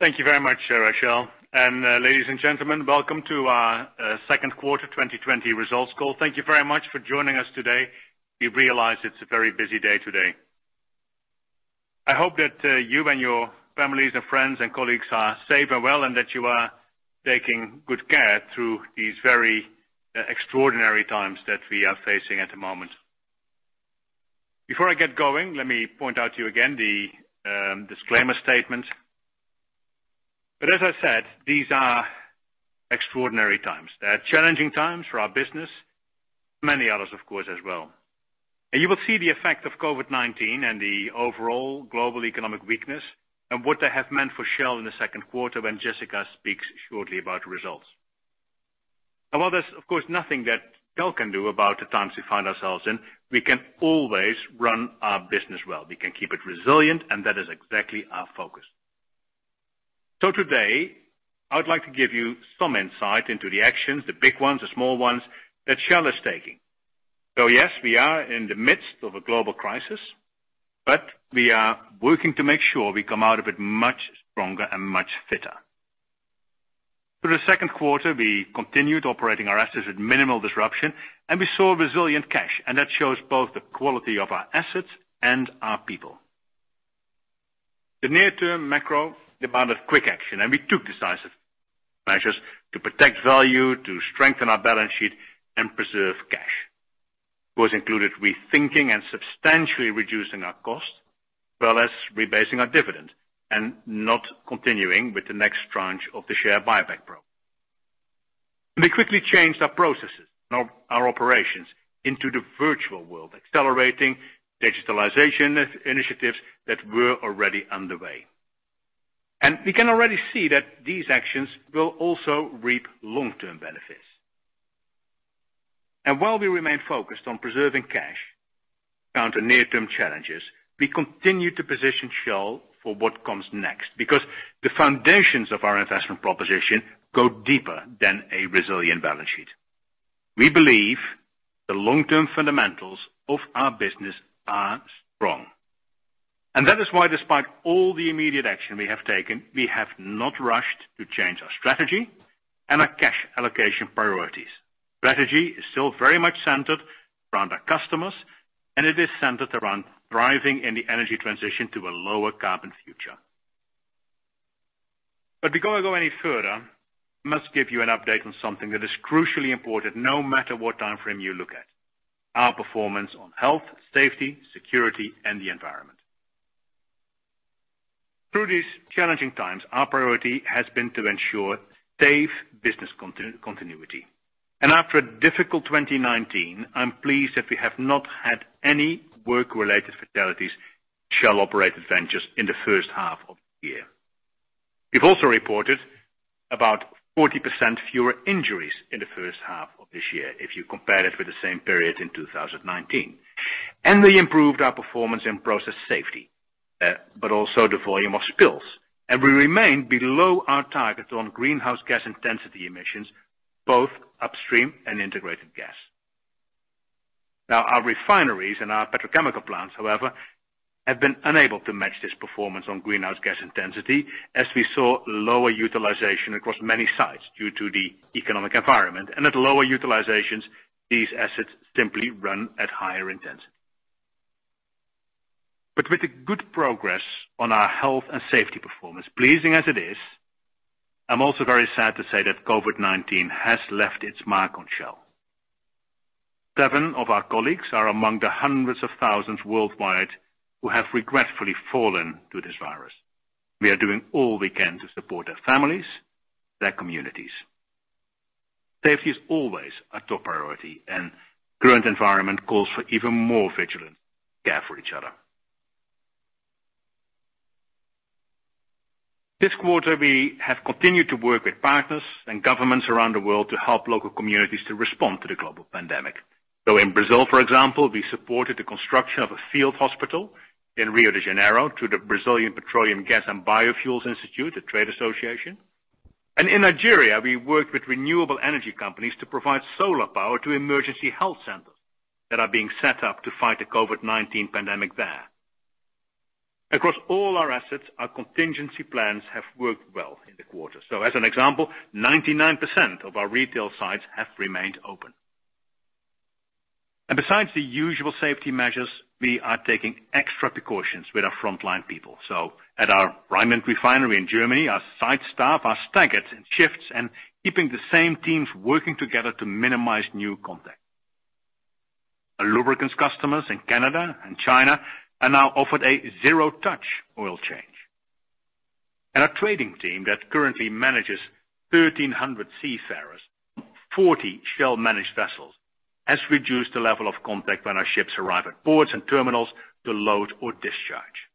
Thank you very much, Rochelle. Ladies and gentlemen, welcome to our second quarter 2020 results call. Thank you very much for joining us today. We realize it's a very busy day today. I hope that you and your families and friends and colleagues are safe and well, and that you are taking good care through these very extraordinary times that we are facing at the moment. Before I get going, let me point out to you again the disclaimer statement. As I said, these are extraordinary times. They are challenging times for our business. Many others, of course, as well. You will see the effect of COVID-19 and the overall global economic weakness and what they have meant for Shell in the second quarter when Jessica speaks shortly about the results. While there's, of course, nothing that Shell can do about the times we find ourselves in, we can always run our business well. We can keep it resilient, and that is exactly our focus. Today, I would like to give you some insight into the actions, the big ones, the small ones, that Shell is taking. Yes, we are in the midst of a global crisis, but we are working to make sure we come out of it much stronger and much fitter. Through the second quarter, we continued operating our assets with minimal disruption, and we saw resilient cash, and that shows both the quality of our assets and our people. The near-term macro demanded quick action, and we took decisive measures to protect value, to strengthen our balance sheet, and preserve cash. Those included rethinking and substantially reducing our cost, as well as rebasing our dividend and not continuing with the next tranche of the share buyback program. We quickly changed our processes and our operations into the virtual world, accelerating digitalization initiatives that were already underway. We can already see that these actions will also reap long-term benefits. While we remain focused on preserving cash to counter near-term challenges, we continue to position Shell for what comes next because the foundations of our investment proposition go deeper than a resilient balance sheet. We believe the long-term fundamentals of our business are strong. That is why, despite all the immediate action we have taken, we have not rushed to change our strategy and our cash allocation priorities. Strategy is still very much centered around our customers, and it is centered around thriving in the energy transition to a lower carbon future. Before I go any further, I must give you an update on something that is crucially important no matter what timeframe you look at, our performance on health, safety, security, and the environment. Through these challenging times, our priority has been to ensure safe business continuity. After a difficult 2019, I'm pleased that we have not had any work-related fatalities at Shell operated ventures in the first half of the year. We've also reported about 40% fewer injuries in the first half of this year if you compare it with the same period in 2019. We improved our performance in process safety, but also the volume of spills. We remain below our targets on greenhouse gas intensity emissions, both Upstream and Integrated Gas. Our refineries and our petrochemical plants, however, have been unable to match this performance on greenhouse gas intensity as we saw lower utilization across many sites due to the economic environment. At lower utilizations, these assets simply run at higher intensity. With the good progress on our health and safety performance, pleasing as it is, I'm also very sad to say that COVID-19 has left its mark on Shell. Seven of our colleagues are among the hundreds of thousands worldwide who have regretfully fallen to this virus. We are doing all we can to support their families, their communities. Safety is always a top priority, and current environment calls for even more vigilant care for each other. This quarter, we have continued to work with partners and governments around the world to help local communities to respond to the global pandemic. In Brazil, for example, we supported the construction of a field hospital in Rio de Janeiro through the Brazilian Petroleum, Gas and Biofuels Institute, a trade association. In Nigeria, we worked with renewable energy companies to provide solar power to emergency health centers that are being set up to fight the COVID-19 pandemic there. Across all our assets, our contingency plans have worked well in the quarter. As an example, 99% of our retail sites have remained open. Besides the usual safety measures, we are taking extra precautions with our frontline people. At our Rheinland refinery in Germany, our site staff are staggered in shifts and keeping the same teams working together to minimize new contact. Our Lubricants customers in Canada and China are now offered a zero-touch oil change. Our trading team that currently manages 1,300 seafarers on 40 Shell-managed vessels has reduced the level of contact when our ships arrive at ports and terminals to load or discharge.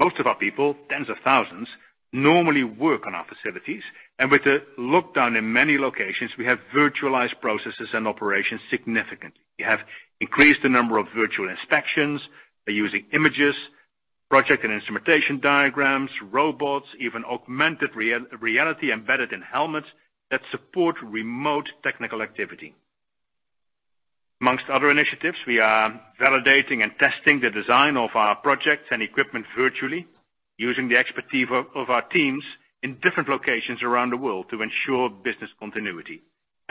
Most of our people, tens of thousands, normally work on our facilities, and with the lockdown in many locations, we have virtualized processes and operations significantly. We have increased the number of virtual inspections by using images, project and instrumentation diagrams, robots, even augmented reality embedded in helmets that support remote technical activity. Amongst other initiatives, we are validating and testing the design of our projects and equipment virtually using the expertise of our teams in different locations around the world to ensure business continuity.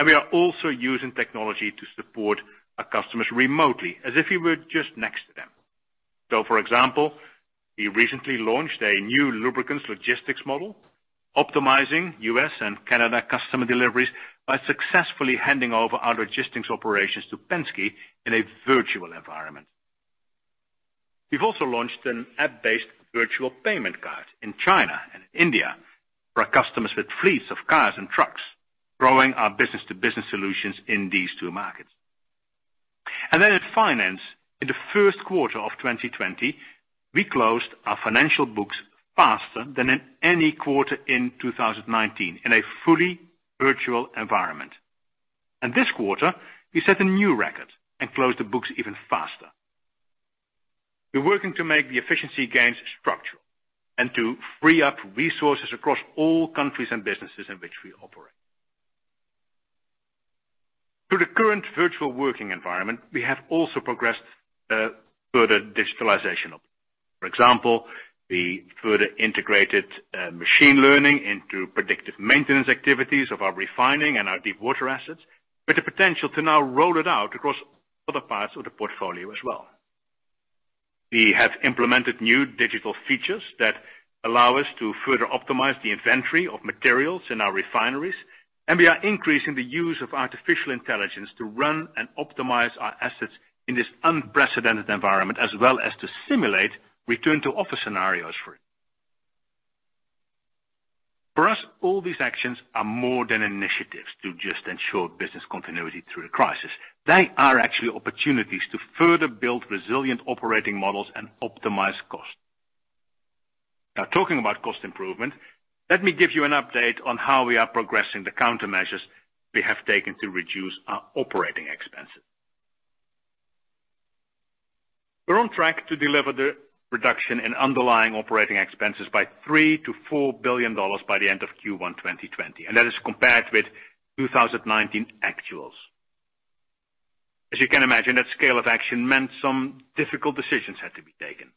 We are also using technology to support our customers remotely as if we were just next to them. For example, we recently launched a new Lubricants logistics model, optimizing U.S. and Canada customer deliveries by successfully handing over our logistics operations to Penske in a virtual environment. We've also launched an app-based virtual payment card in China and India for our customers with fleets of cars and trucks, growing our business-to-business solutions in these two markets. In finance, in the first quarter of 2020, we closed our financial books faster than in any quarter in 2019 in a fully virtual environment. This quarter, we set a new record and closed the books even faster. We're working to make the efficiency gains structural and to free up resources across all countries and businesses in which we operate. Through the current virtual working environment, we have also progressed further digitalization. For example, we further integrated machine learning into predictive maintenance activities of our refining and our deepwater assets, with the potential to now roll it out across other parts of the portfolio as well. We have implemented new digital features that allow us to further optimize the inventory of materials in our refineries, and we are increasing the use of artificial intelligence to run and optimize our assets in this unprecedented environment, as well as to simulate return to office scenarios for it. For us, all these actions are more than initiatives to just ensure business continuity through a crisis. They are actually opportunities to further build resilient operating models and optimize costs. Talking about cost improvement, let me give you an update on how we are progressing the countermeasures we have taken to reduce our operating expenses. We're on track to deliver the reduction in underlying operating expenses by $3 billion-$4 billion by the end of Q1 2020. That is compared with 2019 actuals. As you can imagine, that scale of action meant some difficult decisions had to be taken,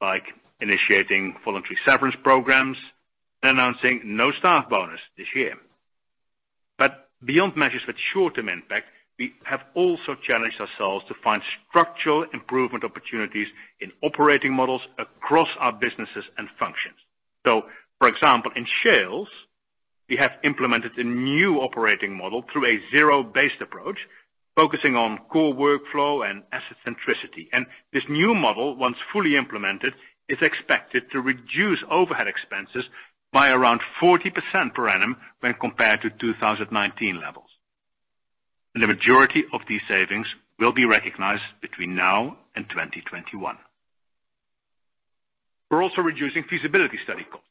like initiating voluntary severance programs and announcing no staff bonus this year. Beyond measures with short-term impact, we have also challenged ourselves to find structural improvement opportunities in operating models across our businesses and functions. For example, in Shell, we have implemented a new operating model through a zero-based approach focusing on core workflow and asset centricity. This new model, once fully implemented, is expected to reduce overhead expenses by around 40% per annum when compared to 2019 levels. The majority of these savings will be recognized between now and 2021. We're also reducing feasibility study costs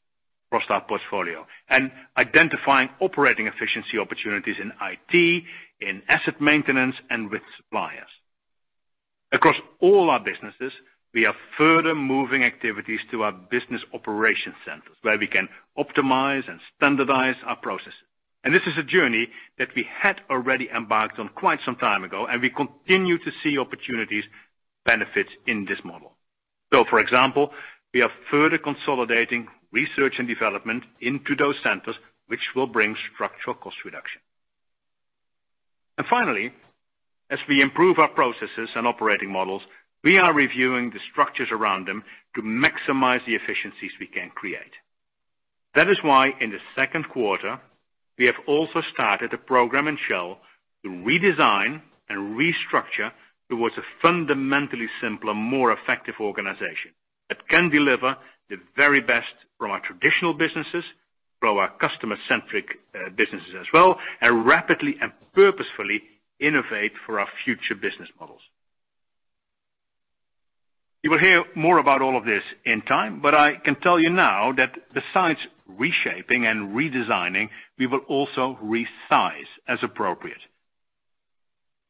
across our portfolio and identifying operating efficiency opportunities in IT, in asset maintenance, and with suppliers. Across all our businesses, we are further moving activities to our business operation centers where we can optimize and standardize our processes. This is a journey that we had already embarked on quite some time ago, and we continue to see opportunities benefit in this model. For example, we are further consolidating research and development into those centers, which will bring structural cost reduction. Finally, as we improve our processes and operating models, we are reviewing the structures around them to maximize the efficiencies we can create. That is why in the second quarter, we have also started a program in Shell to redesign and restructure towards a fundamentally simpler, more effective organization that can deliver the very best from our traditional businesses, from our customer-centric businesses as well, and rapidly and purposefully innovate for our future business models. You will hear more about all of this in time, but I can tell you now that besides reshaping and redesigning, we will also resize as appropriate.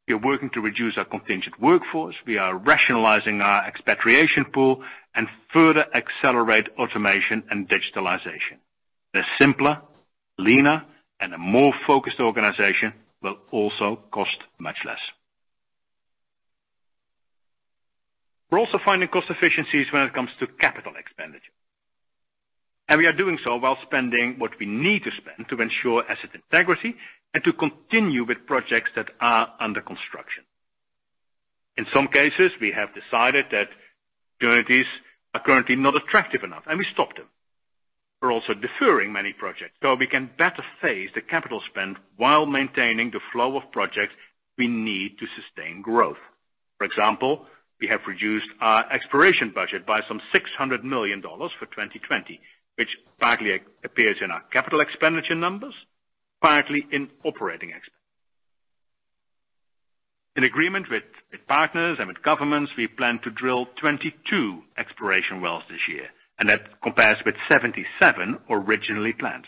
We are working to reduce our contingent workforce. We are rationalizing our expatriation pool and further accelerate automation and digitalization. A simpler, leaner, and a more focused organization will also cost much less. We are also finding cost efficiencies when it comes to capital expenditure. We are doing so while spending what we need to spend to ensure asset integrity and to continue with projects that are under construction. In some cases, we have decided that opportunities are currently not attractive enough, and we stop them. We're also deferring many projects so we can better phase the capital spend while maintaining the flow of projects we need to sustain growth. For example, we have reduced our exploration budget by some $600 million for 2020, which partly appears in our capital expenditure numbers, partly in operating expenses. In agreement with partners and with governments, we plan to drill 22 exploration wells this year, and that compares with 77 originally planned.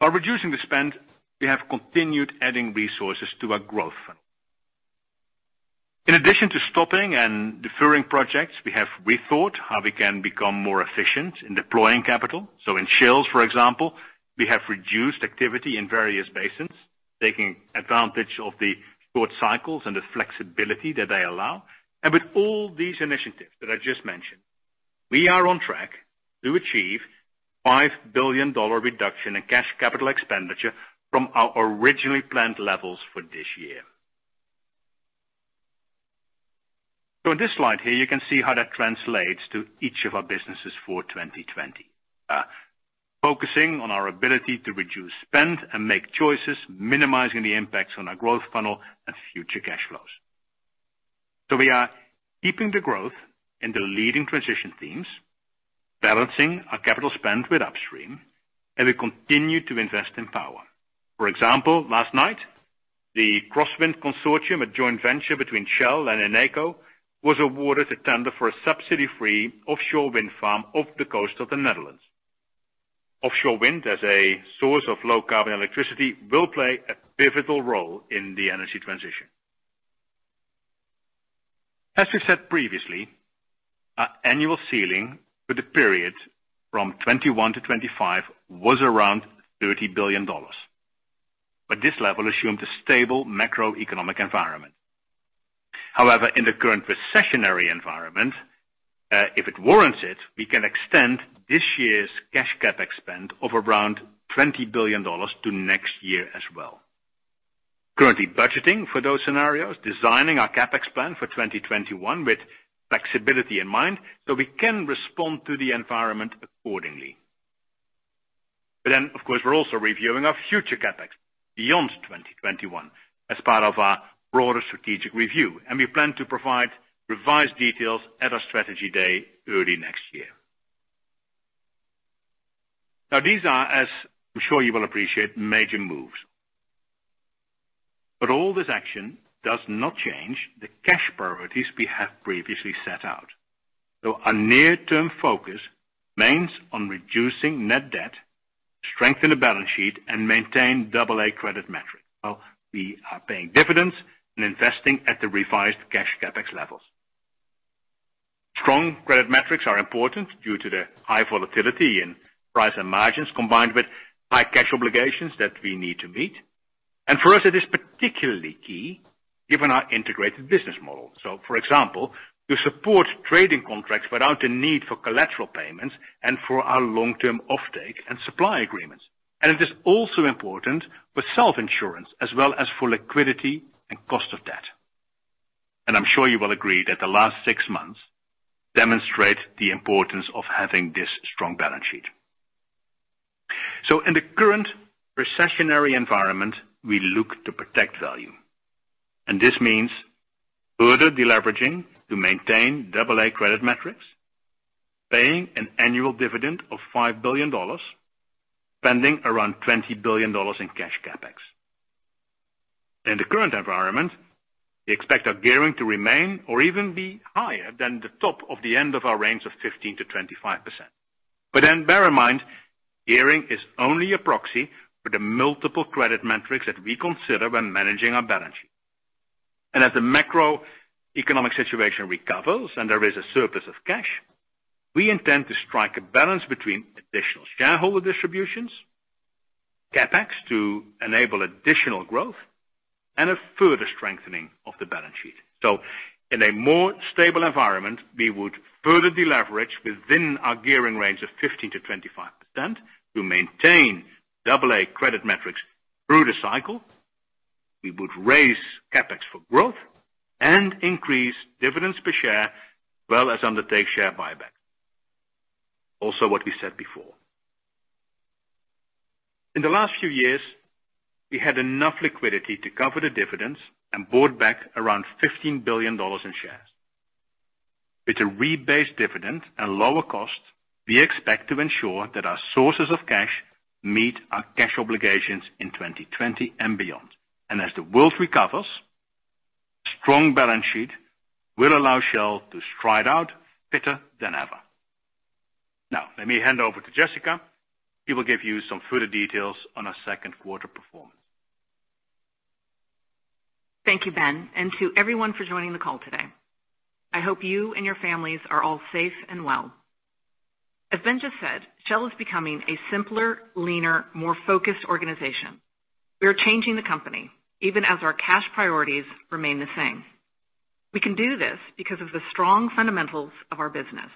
By reducing the spend, we have continued adding resources to our growth funnel. In addition to stopping and deferring projects, we have rethought how we can become more efficient in deploying capital. In Shell, for example, we have reduced activity in various basins, taking advantage of the short cycles and the flexibility that they allow. With all these initiatives that I just mentioned, we are on track to achieve a $5 billion reduction in cash capital expenditure from our originally planned levels for this year. In this slide here, you can see how that translates to each of our businesses for 2020. Focusing on our ability to reduce spend and make choices, minimizing the impacts on our growth funnel and future cash flows. We are keeping the growth in the leading transition themes, balancing our capital spend with Upstream, and we continue to invest in power. For example, last night, the CrossWind consortium, a joint venture between Shell and Eneco, was awarded a tender for a subsidy-free offshore wind farm off the coast of the Netherlands. Offshore wind as a source of low-carbon electricity will play a pivotal role in the energy transition. As we said previously, our annual ceiling for the period from 2021-2025 was around $30 billion. This level assumes a stable macroeconomic environment. However, in the current recessionary environment, if it warrants it, we can extend this year's cash CapEx spend of around $20 billion to next year as well. Currently budgeting for those scenarios, designing our CapEx plan for 2021 with flexibility in mind so we can respond to the environment accordingly. Of course, we're also reviewing our future CapEx beyond 2021 as part of our broader strategic review, and we plan to provide revised details at our strategy day early next year. Now, these are, as I'm sure you will appreciate, major moves. All this action does not change the cash priorities we have previously set out. Our near-term focus remains on reducing net debt, strengthen the balance sheet, and maintain AA credit metrics. While we are paying dividends and investing at the revised cash CapEx levels. Strong credit metrics are important due to the high volatility in price and margins, combined with high cash obligations that we need to meet. For us, it is particularly key given our integrated business model. For example, to support trading contracts without a need for collateral payments and for our long-term offtake and supply agreements. It is also important for self-insurance as well as for liquidity and cost of debt. I'm sure you will agree that the last six months demonstrate the importance of having this strong balance sheet. In the current recessionary environment, we look to protect value. This means further deleveraging to maintain AA credit metrics, paying an annual dividend of $5 billion, spending around $20 billion in cash CapEx. In the current environment, we expect our gearing to remain or even be higher than the top of the end of our range of 15%-25%. Bear in mind, gearing is only a proxy for the multiple credit metrics that we consider when managing our balance sheet. As the macroeconomic situation recovers and there is a surplus of cash, we intend to strike a balance between additional shareholder distributions, CapEx to enable additional growth, and a further strengthening of the balance sheet. In a more stable environment, we would further deleverage within our gearing range of 15%-25% to maintain AA credit metrics through the cycle. We would raise CapEx for growth and increase dividends per share, as well as undertake share buyback. Also what we said before. In the last few years, we had enough liquidity to cover the dividends and bought back around $15 billion in shares. With a rebased dividend and lower cost, we expect to ensure that our sources of cash meet our cash obligations in 2020 and beyond. As the world recovers, strong balance sheet will allow Shell to stride out fitter than ever. Now, let me hand over to Jessica, who will give you some further details on our second quarter performance. Thank you, Ben, and to everyone for joining the call today. I hope you and your families are all safe and well. As Ben just said, Shell is becoming a simpler, leaner, more focused organization. We are changing the company, even as our cash priorities remain the same. We can do this because of the strong fundamentals of our business.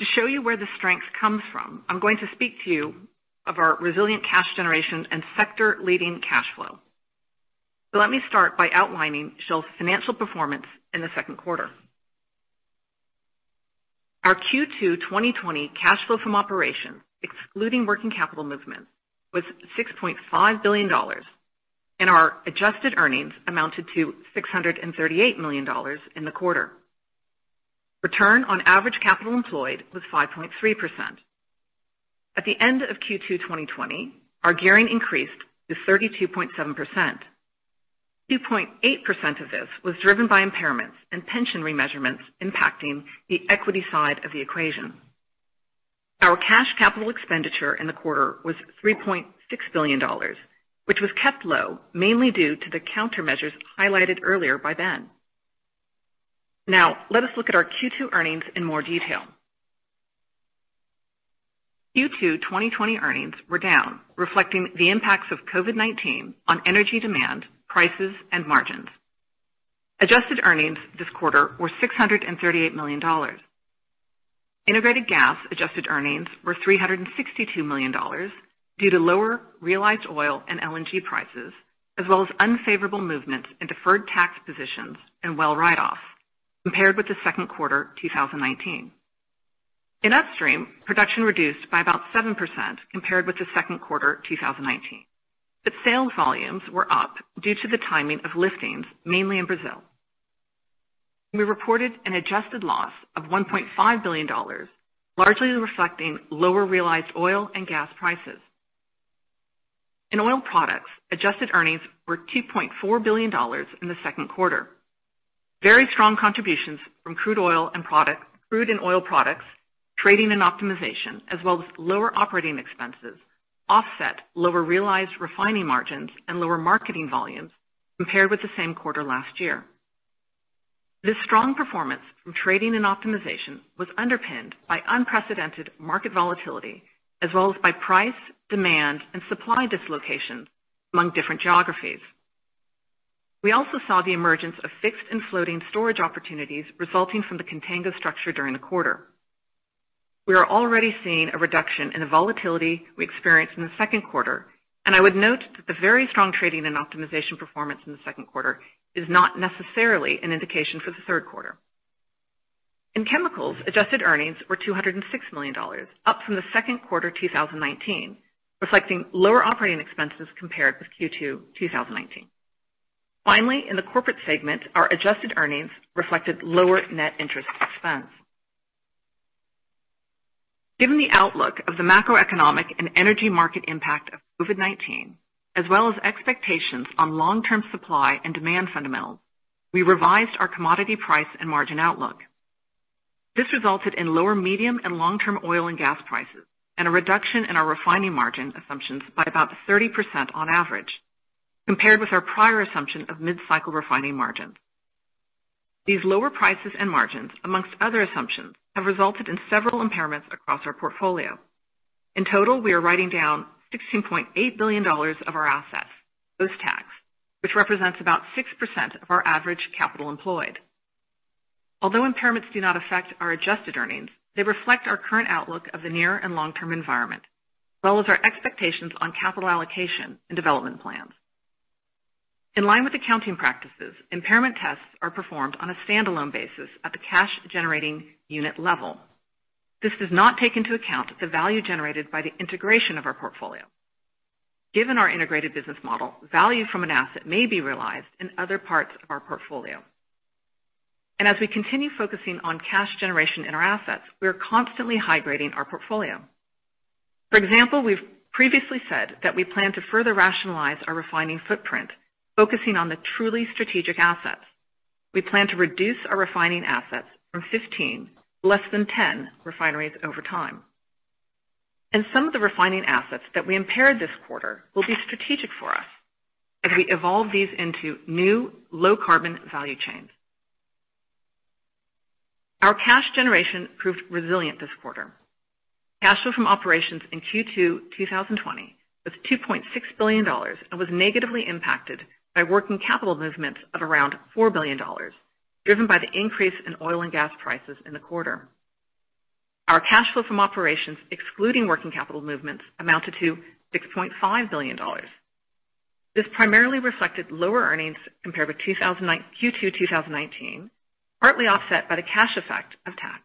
To show you where the strength comes from, I'm going to speak to you of our resilient cash generation and sector-leading cash flow. Let me start by outlining Shell's financial performance in the second quarter. Our Q2 2020 cash flow from operations, excluding working capital movements, was $6.5 billion, and our adjusted earnings amounted to $638 million in the quarter. Return on average capital employed was 5.3%. At the end of Q2 2020, our gearing increased to 32.7%. 2.8% of this was driven by impairments and pension remeasurements impacting the equity side of the equation. Our cash capital expenditure in the quarter was $3.6 billion, which was kept low, mainly due to the countermeasures highlighted earlier by Ben. Let us look at our Q2 earnings in more detail. Q2 2020 earnings were down, reflecting the impacts of COVID-19 on energy demand, prices, and margins. Adjusted earnings this quarter were $638 million. Integrated Gas adjusted earnings were $362 million due to lower realized oil and LNG prices, as well as unfavorable movement in deferred tax positions and well write-offs compared with second quarter 2019. In Upstream, production reduced by about 7% compared with the second quarter 2019. Sales volumes were up due to the timing of liftings, mainly in Brazil. We reported an adjusted loss of $1.5 billion, largely reflecting lower realized oil and gas prices. In Oil Products, adjusted earnings were $2.4 billion in the second quarter. Very strong contributions from crude and Oil Products, trading and optimization, as well as lower operating expenses offset lower realized refining margins and lower marketing volumes compared with the same quarter last year. This strong performance from trading and optimization was underpinned by unprecedented market volatility as well as by price, demand, and supply dislocations among different geographies. We also saw the emergence of fixed and floating storage opportunities resulting from the contango structure during the quarter. We are already seeing a reduction in the volatility we experienced in the second quarter, and I would note that the very strong trading and optimization performance in the second quarter is not necessarily an indication for the third quarter. In Chemicals, adjusted earnings were $206 million, up from the second quarter 2019, reflecting lower operating expenses compared with Q2 2019. Finally, in the Corporate segment, our adjusted earnings reflected lower net interest expense. Given the outlook of the macroeconomic and energy market impact of COVID-19, as well as expectations on long-term supply and demand fundamentals, we revised our commodity price and margin outlook. This resulted in lower medium and long-term oil and gas prices and a reduction in our refining margin assumptions by about 30% on average, compared with our prior assumption of mid-cycle refining margins. These lower prices and margins, amongst other assumptions, have resulted in several impairments across our portfolio. In total, we are writing down $16.8 billion of our assets, post-tax, which represents about 6% of our average capital employed. Although impairments do not affect our adjusted earnings, they reflect our current outlook of the near and long-term environment, as well as our expectations on capital allocation and development plans. In line with accounting practices, impairment tests are performed on a standalone basis at the cash-generating unit level. This does not take into account the value generated by the integration of our portfolio. Given our integrated business model, value from an asset may be realized in other parts of our portfolio. As we continue focusing on cash generation in our assets, we are constantly high-grading our portfolio. For example, we've previously said that we plan to further rationalize our refining footprint, focusing on the truly strategic assets. We plan to reduce our refining assets from 15 to less than 10 refineries over time. Some of the refining assets that we impaired this quarter will be strategic for us as we evolve these into new low-carbon value chains. Our cash generation proved resilient this quarter. Cash flow from operations in Q2 2020 was $2.6 billion and was negatively impacted by working capital movements of around $4 billion, driven by the increase in oil and gas prices in the quarter. Our cash flow from operations excluding working capital movements amounted to $6.5 billion. This primarily reflected lower earnings compared with Q2 2019, partly offset by the cash effect of tax.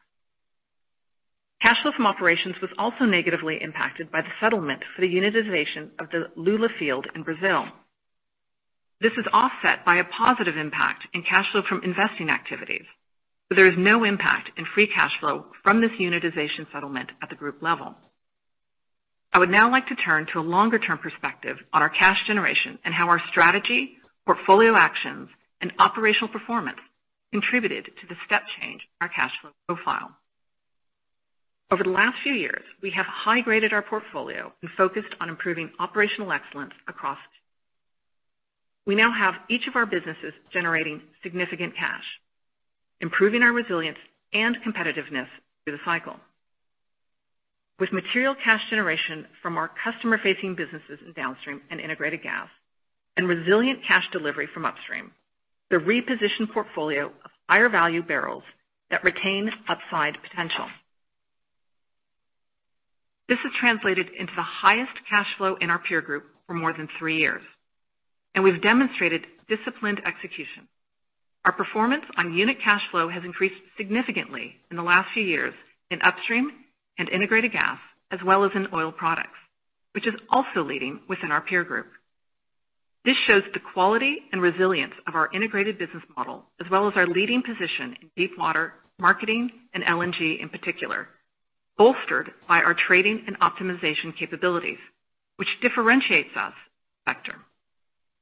Cash flow from operations was also negatively impacted by the settlement for the unitization of the Lula field in Brazil. This is offset by a positive impact in cash flow from investing activities, so there is no impact in free cash flow from this unitization settlement at the group level. I would now like to turn to a longer-term perspective on our cash generation and how our strategy, portfolio actions, and operational performance contributed to the step change in our cash flow profile. Over the last few years, we have high-graded our portfolio and focused on improving operational excellence across. We now have each of our businesses generating significant cash, improving our resilience and competitiveness through the cycle. With material cash generation from our customer-facing businesses in Downstream and Integrated Gas and resilient cash delivery from Upstream, the repositioned portfolio of higher-value barrels that retain upside potential. This has translated into the highest cash flow in our peer group for more than three years, and we've demonstrated disciplined execution. Our performance on unit cash flow has increased significantly in the last few years in Upstream and Integrated Gas, as well as in Oil Products, which is also leading within our peer group. This shows the quality and resilience of our integrated business model, as well as our leading position in deepwater, marketing, and LNG in particular, bolstered by our trading and optimization capabilities, which differentiates us.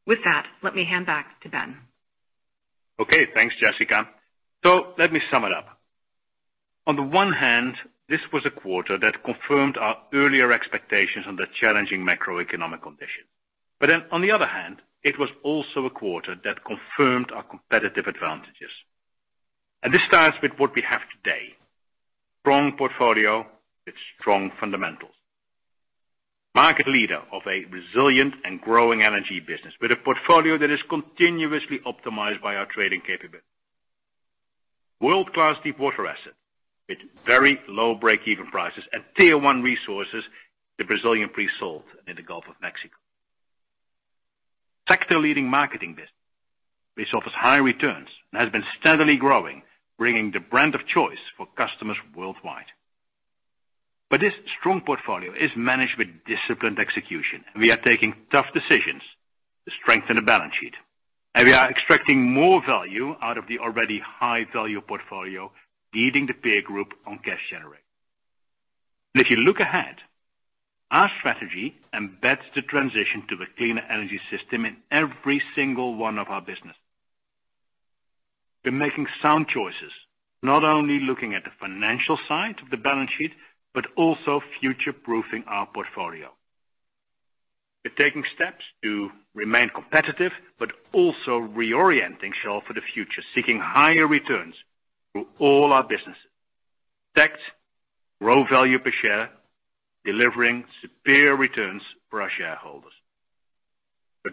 With that, let me hand back to Ben. Thanks, Jessica. Let me sum it up. On the one hand, this was a quarter that confirmed our earlier expectations on the challenging macroeconomic conditions. On the other hand, it was also a quarter that confirmed our competitive advantages. This starts with what we have today. Strong portfolio with strong fundamentals. Market leader of a resilient and growing energy business with a portfolio that is continuously optimized by our trading capability. World-class deepwater asset with very low breakeven prices at tier one resources, the Brazilian pre-salt and in the Gulf of Mexico. Sector-leading marketing business, which offers high returns and has been steadily growing, bringing the brand of choice for customers worldwide. This strong portfolio is managed with disciplined execution, and we are taking tough decisions to strengthen the balance sheet. We are extracting more value out of the already high-value portfolio, leading the peer group on cash generation. If you look ahead, our strategy embeds the transition to the cleaner energy system in every single one of our businesses. We're making sound choices, not only looking at the financial side of the balance sheet, but also future-proofing our portfolio. We're taking steps to remain competitive, but also reorienting Shell for the future, seeking higher returns through all our businesses. Next, grow value per share, delivering superior returns for our shareholders.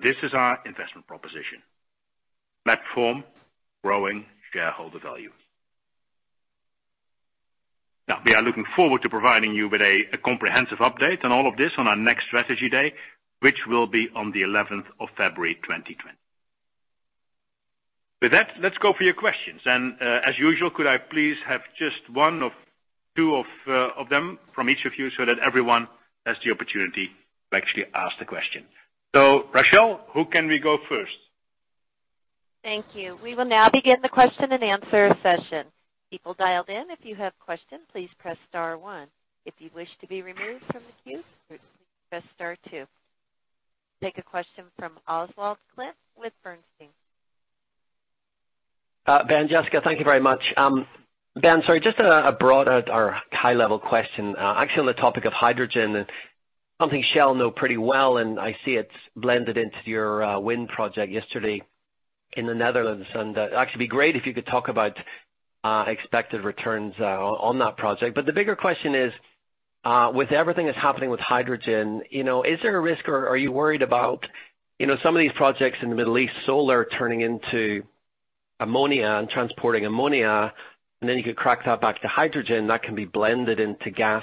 This is our investment proposition. Platform growing shareholder value. We are looking forward to providing you with a comprehensive update on all of this on our next strategy day, which will be on the 11th of February 2021. With that, let's go for your questions. As usual, could I please have just two of them from each of you so that everyone has the opportunity to actually ask the question. Rochelle, who can we go first? Thank you. We will now begin the question and answer session. People dialed in, if you have questions, please press star one. If you wish to be removed from the queue, please press star two. Take a question from Oswald Clint with Bernstein. Ben, Jessica, thank you very much. Ben, sorry, just a broad or high-level question. Actually, on the topic of hydrogen and something Shell know pretty well, and I see it's blended into your wind project yesterday in the Netherlands, and actually be great if you could talk about expected returns on that project. The bigger question is, with everything that's happening with hydrogen, is there a risk or are you worried about some of these projects in the Middle East, solar turning into ammonia and transporting ammonia, and then you could crack that back to hydrogen that can be blended into gas,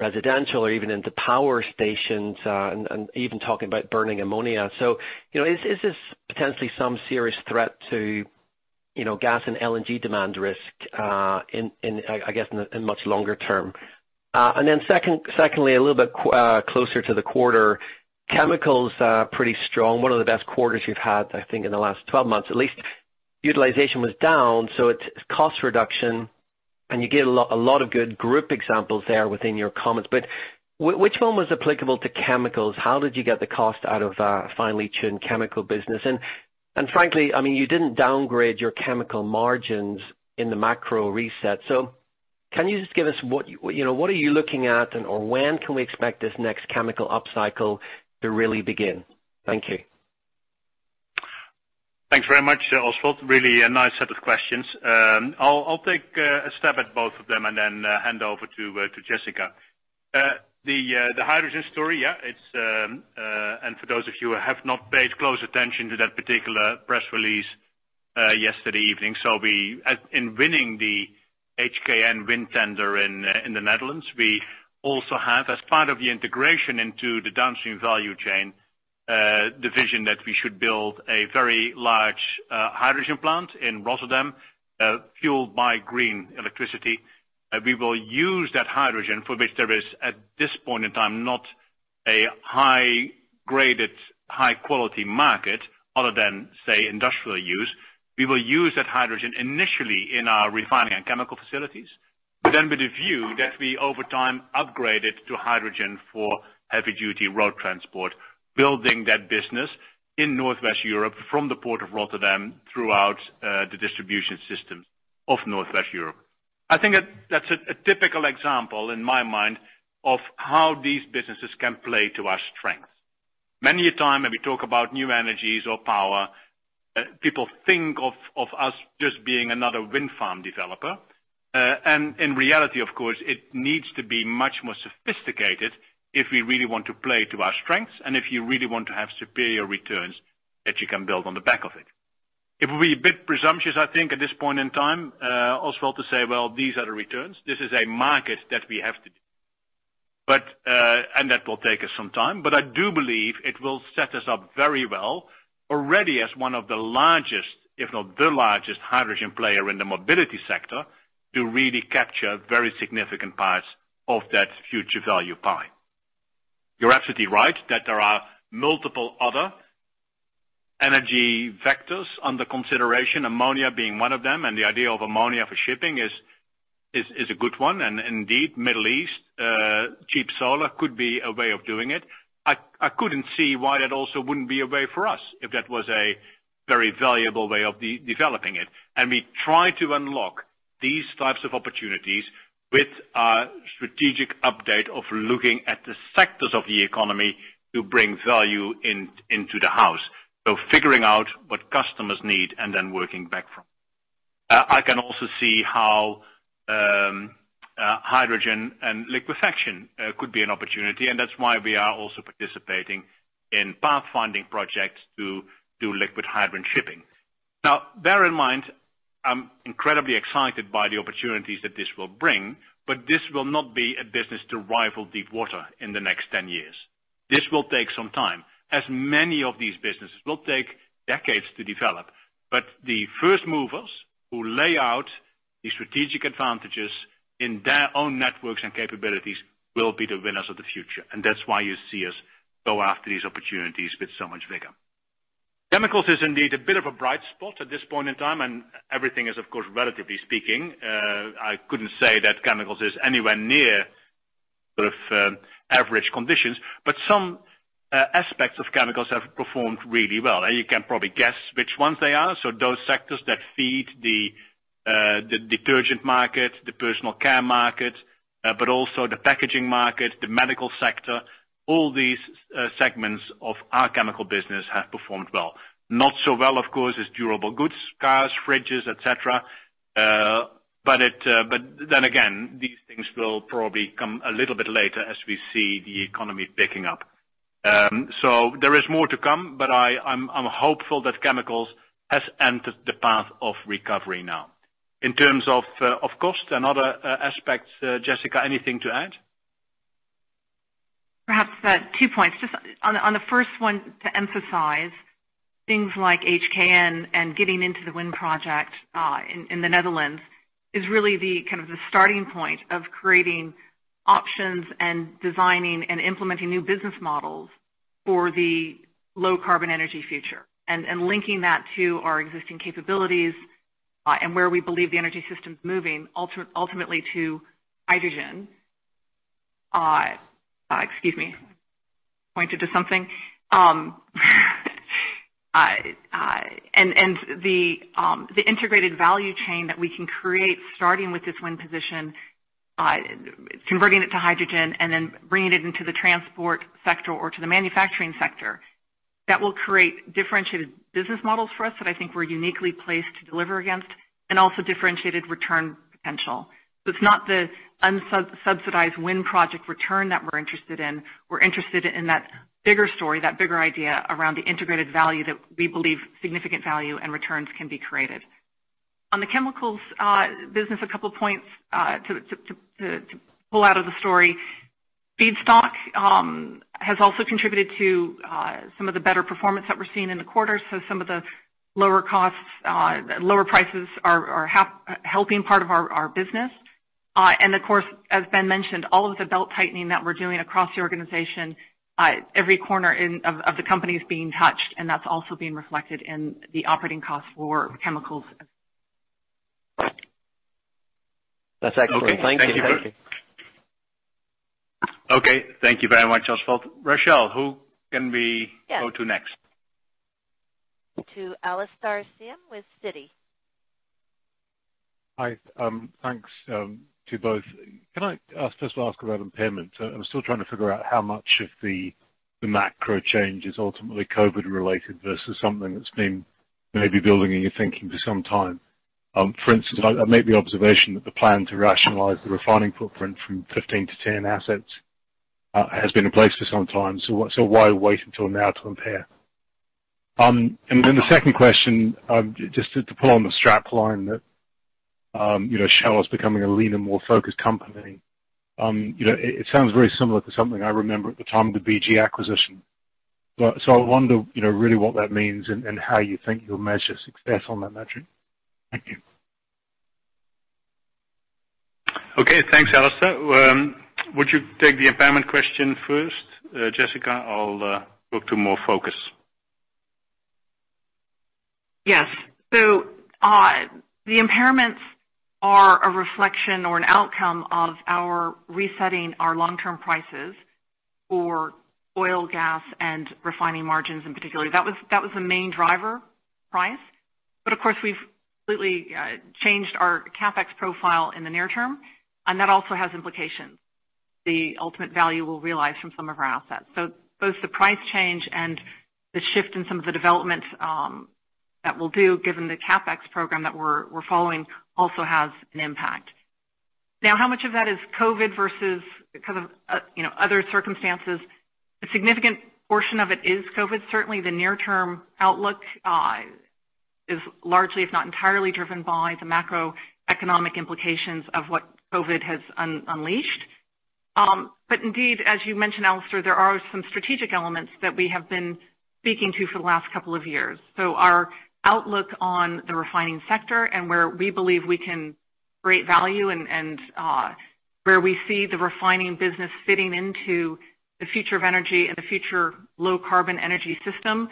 residential or even into power stations, and even talking about burning ammonia. Is this potentially some serious threat to gas and LNG demand risk, I guess in much longer term? Secondly, a little bit closer to the quarter. Chemicals are pretty strong. One of the best quarters you've had, I think, in the last 12 months. At least utilization was down, so it's cost reduction, and you get a lot of good group examples there within your comments. Which one was applicable to Chemicals? How did you get the cost out of finely tuned Chemicals business? Frankly, you didn't downgrade your Chemicals margins in the macro reset. Can you just give us what are you looking at and, or when can we expect this next Chemicals upcycle to really begin? Thank you. Thanks very much, Oswald. Really a nice set of questions. I'll take a stab at both of them and then hand over to Jessica. The hydrogen story, yeah. For those of you who have not paid close attention to that particular press release yesterday evening. In winning the HKN wind tender in the Netherlands, we also have, as part of the integration into the Downstream value chain, the vision that we should build a very large hydrogen plant in Rotterdam, fueled by green electricity. We will use that hydrogen for which there is, at this point in time, not a high-graded, high-quality market other than, say, industrial use. We will use that hydrogen initially in our refining and Chemicals facilities. With a view that we over time upgrade it to hydrogen for heavy duty road transport, building that business in Northwest Europe from the port of Rotterdam throughout the distribution systems of Northwest Europe. I think that's a typical example in my mind of how these businesses can play to our strengths. Many a time when we talk about new energies or power, people think of us just being another wind farm developer. In reality, of course, it needs to be much more sophisticated if we really want to play to our strengths and if you really want to have superior returns that you can build on the back of it. It will be a bit presumptuous, I think, at this point in time, Oswald, to say, well, these are the returns. This is a market that we have to do. That will take us some time, but I do believe it will set us up very well already as one of the largest, if not the largest hydrogen player in the mobility sector to really capture very significant parts of that future value pie. You're absolutely right that there are multiple other energy vectors under consideration, ammonia being one of them. The idea of ammonia for shipping is a good one. Indeed, Middle East, cheap solar could be a way of doing it. I couldn't see why that also wouldn't be a way for us if that was a very valuable way of developing it. We try to unlock these types of opportunities with our strategic update of looking at the sectors of the economy to bring value into the house. Figuring out what customers need and then working back from. I can also see how hydrogen and liquefaction could be an opportunity, and that's why we are also participating in pathfinding projects to do liquid hydrogen shipping. Bear in mind, I'm incredibly excited by the opportunities that this will bring, but this will not be a business to rival deepwater in the next 10 years. This will take some time, as many of these businesses will take decades to develop. The first movers who lay out the strategic advantages in their own networks and capabilities will be the winners of the future. That's why you see us go after these opportunities with so much vigor. Chemicals is indeed a bit of a bright spot at this point in time, and everything is of course, relatively speaking. I couldn't say that Chemicals is anywhere near sort of average conditions, but some aspects of Chemicals have performed really well. You can probably guess which ones they are. Those sectors that feed the detergent market, the personal care market, but also the packaging market, the medical sector, all these segments of our Chemicals business have performed well. Not so well, of course, is durable goods, cars, fridges, et cetera. Then again, these things will probably come a little bit later as we see the economy picking up. There is more to come, but I'm hopeful that Chemicals has entered the path of recovery now. In terms of cost and other aspects, Jessica, anything to add? Perhaps two points. Just on the first one to emphasize things like HKN and getting into the wind project in the Netherlands is really the starting point of creating options and designing and implementing new business models for the low carbon energy future. Linking that to our existing capabilities, and where we believe the energy system's moving ultimately to hydrogen. Excuse me, pointed to something. The integrated value chain that we can create, starting with this one position, converting it to hydrogen and then bringing it into the transport sector or to the manufacturing sector, that will create differentiated business models for us that I think we're uniquely placed to deliver against and also differentiated return potential. It's not the unsubsidized wind project return that we're interested in. We're interested in that bigger story, that bigger idea around the integrated value that we believe significant value and returns can be created. On the Chemicals business, a couple of points to pull out of the story. Feedstock has also contributed to some of the better performance that we're seeing in the quarter. Some of the lower costs, lower prices are helping part of our business. Of course, as Ben mentioned, all of the belt-tightening that we're doing across the organization, every corner of the company is being touched, and that's also being reflected in the operating costs for Chemicals. That's excellent. Thank you. Okay. Thank you very much, Oswald. Rochelle, who can we go to next? To Alastair Syme with Citi. Hi, thanks to both. Can I just ask about impairment? I'm still trying to figure out how much of the macro change is ultimately COVID-related versus something that's been maybe building in your thinking for some time. For instance, I make the observation that the plan to rationalize the refining footprint from 15 to 10 assets has been in place for some time, so why wait until now to impair? The second question, just to pull on the strap line that Shell is becoming a leaner, more focused company. It sounds very similar to something I remember at the time of the BG acquisition. I wonder, really what that means and how you think you'll measure success on that metric. Thank you. Okay, thanks, Alastair. Would you take the impairment question first, Jessica? I'll go to more focus. Yes. The impairments are a reflection or an outcome of our resetting our long-term prices for oil, gas, and refining margins in particular. That was the main driver, price. Of course, we've completely changed our CapEx profile in the near term, and that also has implications. The ultimate value we'll realize from some of our assets. Both the price change and the shift in some of the developments that we'll do, given the CapEx program that we're following, also has an impact. How much of that is COVID versus other circumstances? A significant portion of it is COVID. Certainly, the near-term outlook is largely, if not entirely, driven by the macroeconomic implications of what COVID has unleashed. Indeed, as you mentioned, Alastair, there are some strategic elements that we have been speaking to for the last couple of years. Our outlook on the refining sector and where we believe we can create value and where we see the refining business fitting into the future of energy and the future low carbon energy system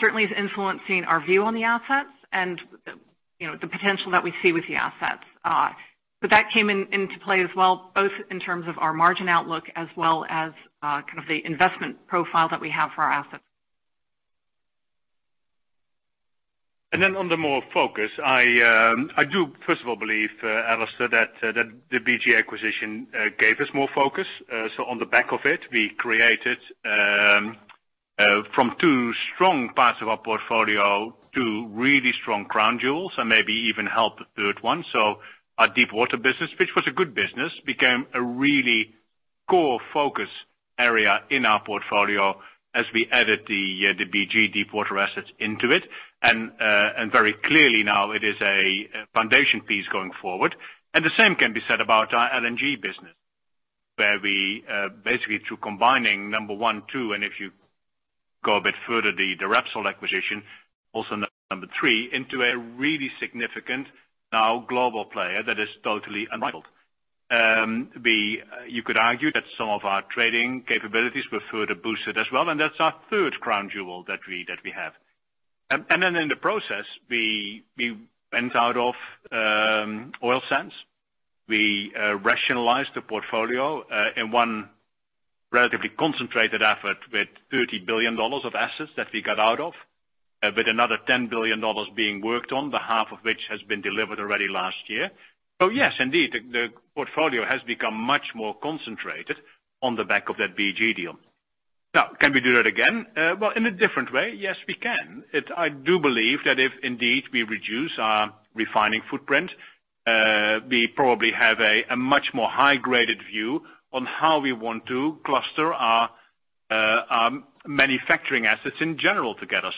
certainly is influencing our view on the assets and the potential that we see with the assets. That came into play as well, both in terms of our margin outlook as well as the investment profile that we have for our assets. On the more focus, I do first of all believe, Alastair, that the BG acquisition gave us more focus. On the back of it, we created from two strong parts of our portfolio, two really strong crown jewels and maybe even helped a third one. Our deepwater business, which was a good business, became a really core focus area in our portfolio as we added the BG deepwater assets into it. Very clearly now it is a foundation piece going forward. The same can be said about our LNG business. Where we basically through combining number one, two, and if you go a bit further, the Repsol acquisition, also number three, into a really significant now global player that is totally unrivaled. You could argue that some of our trading capabilities were further boosted as well, and that's our third crown jewel that we have. In the process, we went out of oil sands. We rationalized the portfolio in one relatively concentrated effort with $30 billion of assets that we got out of, with another $10 billion being worked on, the half of which has been delivered already last year. Yes, indeed, the portfolio has become much more concentrated on the back of that BG deal. Can we do that again? In a different way, yes, we can. I do believe that if indeed we reduce our refining footprint, we probably have a much more high-graded view on how we want to cluster our manufacturing assets in general together.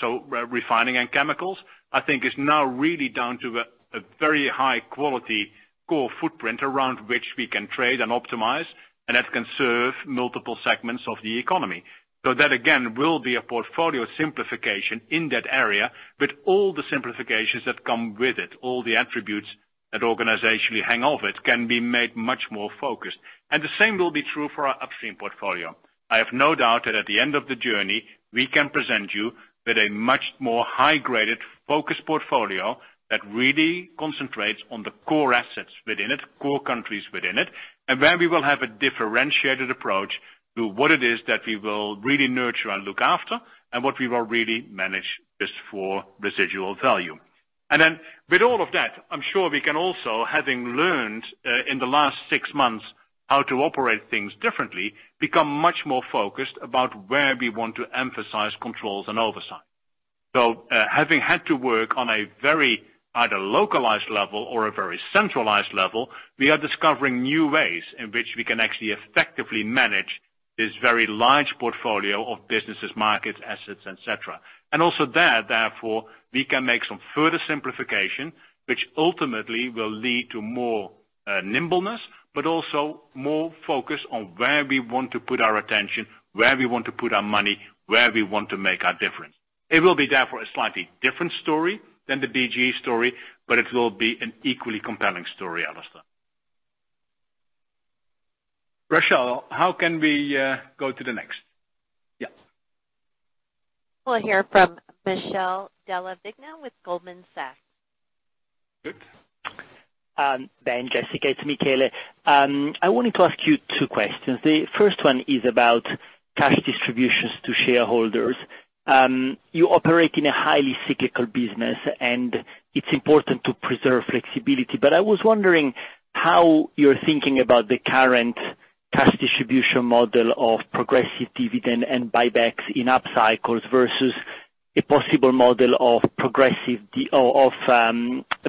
Refining and Chemicals, I think is now really down to a very high quality core footprint around which we can trade and optimize, and that can serve multiple segments of the economy. That, again, will be a portfolio simplification in that area, with all the simplifications that come with it, all the attributes that organizationally hang off it can be made much more focused. The same will be true for our Upstream portfolio. I have no doubt that at the end of the journey, we can present you with a much more high-graded focused portfolio that really concentrates on the core assets within it, core countries within it, and where we will have a differentiated approach to what it is that we will really nurture and look after and what we will really manage just for residual value. With all of that, I'm sure we can also, having learned in the last six months how to operate things differently, become much more focused about where we want to emphasize controls and oversight. Having had to work on a very, either localized level or a very centralized level, we are discovering new ways in which we can actually effectively manage this very large portfolio of businesses, markets, assets, et cetera. Also there, therefore, we can make some further simplification, which ultimately will lead to more nimbleness, but also more focus on where we want to put our attention, where we want to put our money, where we want to make our difference. It will be, therefore, a slightly different story than the BG story, but it will be an equally compelling story, Alastair. Rochelle, how can we go to the next? Yes. We'll hear from Michele Della Vigna with Goldman Sachs. Good. Ben, Jessica, it's Michele. I wanted to ask you two questions. The first one is about cash distributions to shareholders. You operate in a highly cyclical business, and it's important to preserve flexibility. I was wondering how you're thinking about the current cash distribution model of progressive dividend and buybacks in up cycles versus a possible model of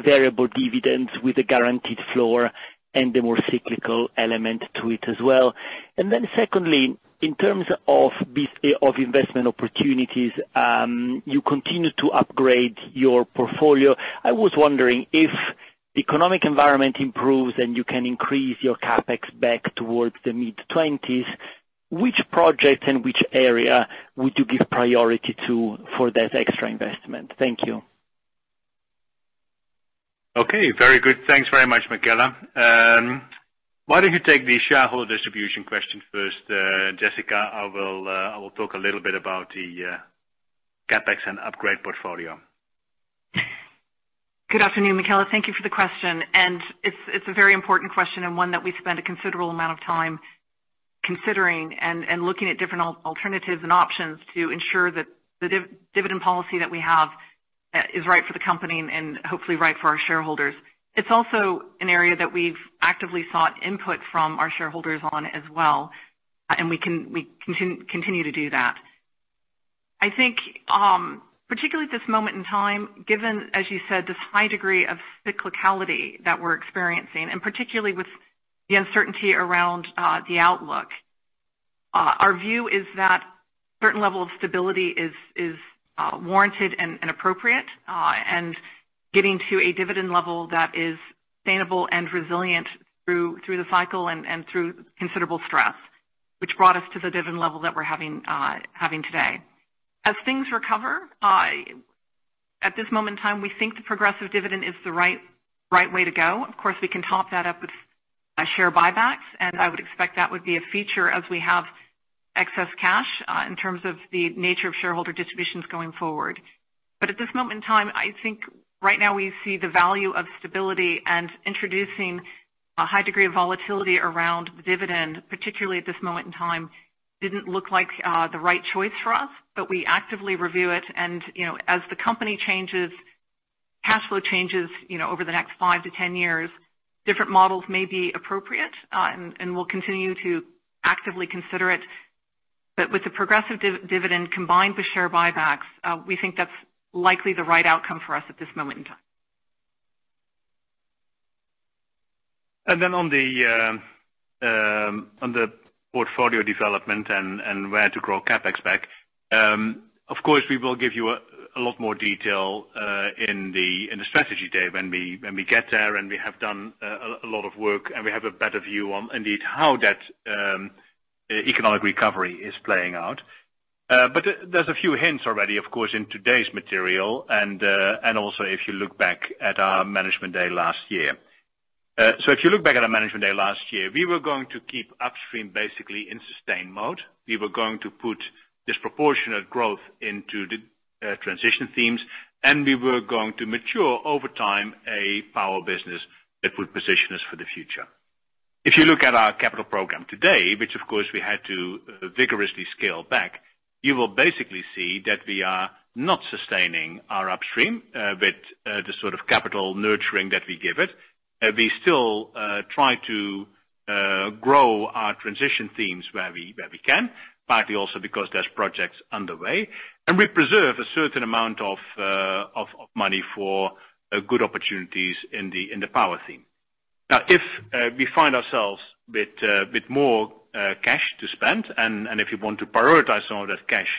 variable dividends with a guaranteed floor and a more cyclical element to it as well. Secondly, in terms of investment opportunities, you continue to upgrade your portfolio. I was wondering if the economic environment improves and you can increase your CapEx back towards the mid-20s, which project and which area would you give priority to for that extra investment? Thank you. Okay, very good. Thanks very much, Michele. Why don't you take the shareholder distribution question first, Jessica? I will talk a little bit about the CapEx and upgrade portfolio. Good afternoon, Michele. Thank you for the question. It's a very important question and one that we spend a considerable amount of time considering and looking at different alternatives and options to ensure that the dividend policy that we have is right for the company and hopefully right for our shareholders. It's also an area that we've actively sought input from our shareholders on as well, and we continue to do that. I think, particularly at this moment in time, given, as you said, this high degree of cyclicality that we're experiencing, and particularly with the uncertainty around the outlook, our view is that certain level of stability is warranted and appropriate, and getting to a dividend level that is sustainable and resilient through the cycle and through considerable stress, which brought us to the dividend level that we're having today. At this moment in time, we think the progressive dividend is the right way to go. Of course, we can top that up with share buybacks. I would expect that would be a feature as we have excess cash in terms of the nature of shareholder distributions going forward. At this moment in time, I think right now we see the value of stability and introducing a high degree of volatility around dividend, particularly at this moment in time, didn't look like the right choice for us. We actively review it, and as the company changes, cash flow changes over the next 5-10 years, different models may be appropriate, and we'll continue to actively consider it. With the progressive dividend combined with share buybacks, we think that's likely the right outcome for us at this moment in time. On the portfolio development and where to grow CapEx back. Of course, we will give you a lot more detail in the strategy day when we get there, and we have done a lot of work, and we have a better view on indeed, how that economic recovery is playing out. There's a few hints already, of course, in today's material, and also if you look back at our management day last year. If you look back at our management day last year, we were going to keep Upstream basically in sustain mode. We were going to put disproportionate growth into the transition themes, and we were going to mature over time a power business that would position us for the future. If you look at our capital program today, which of course we had to vigorously scale back, you will basically see that we are not sustaining our Upstream, with the sort of capital nurturing that we give it. We still try to grow our transition themes where we can, partly also because there's projects underway, and we preserve a certain amount of money for good opportunities in the power theme. If we find ourselves with more cash to spend, and if we want to prioritize some of that cash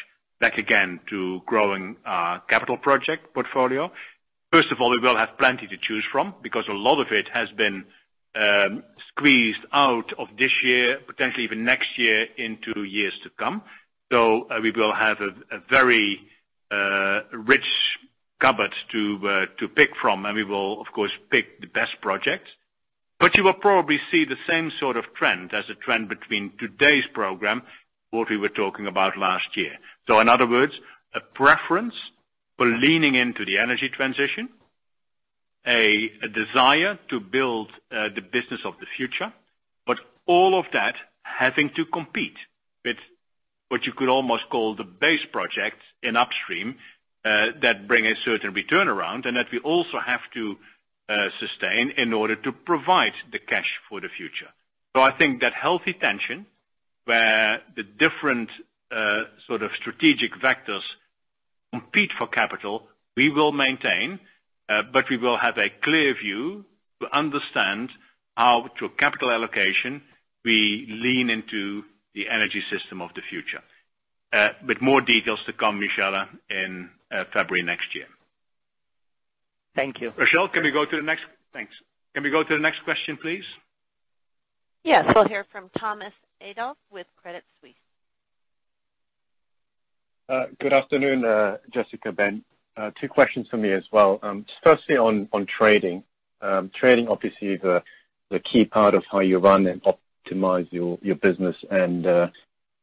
back again to growing our capital project portfolio, first of all, we will have plenty to choose from because a lot of it has been squeezed out of this year, potentially even next year, into years to come. We will have a very rich cupboard to pick from, and we will, of course, pick the best projects. You will probably see the same sort of trend as a trend between today's program, what we were talking about last year. In other words, a preference for leaning into the energy transition, a desire to build the business of the future. All of that having to compete with what you could almost call the base projects in Upstream, that bring a certain return around, and that we also have to sustain in order to provide the cash for the future. I think that healthy tension where the different sort of strategic vectors compete for capital, we will maintain, but we will have a clear view to understand how, through capital allocation, we lean into the energy system of the future. With more details to come, Michele, in February next year. Thank you. Rochelle, thanks, can we go to the next question, please? Yes. We'll hear from Thomas Adolff with Credit Suisse. Good afternoon, Jessica, Ben. Two questions from me as well. Firstly, on trading. Trading, obviously, the key part of how you run and optimize your business and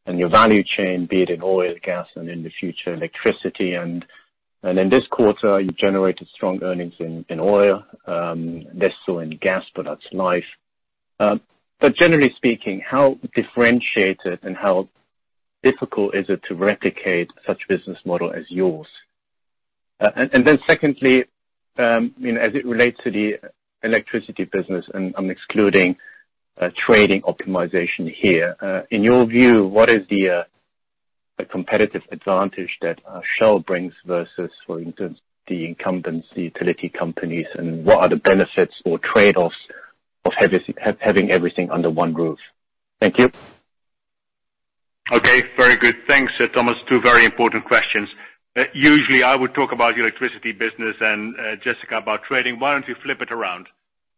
your value chain, be it in oil, gas, and in the future, electricity. In this quarter, you generated strong earnings in oil, less so in gas, but that's life. Generally speaking, how differentiated and how difficult is it to replicate such business model as yours? Secondly, as it relates to the electricity business, and I'm excluding trading optimization here. In your view, what is the competitive advantage that Shell brings versus the incumbency utility companies, and what are the benefits or trade-offs of having everything under one roof? Thank you. Okay. Very good. Thanks, Thomas. Two very important questions. Usually, I would talk about the electricity business and Jessica about trading. Why don't you flip it around?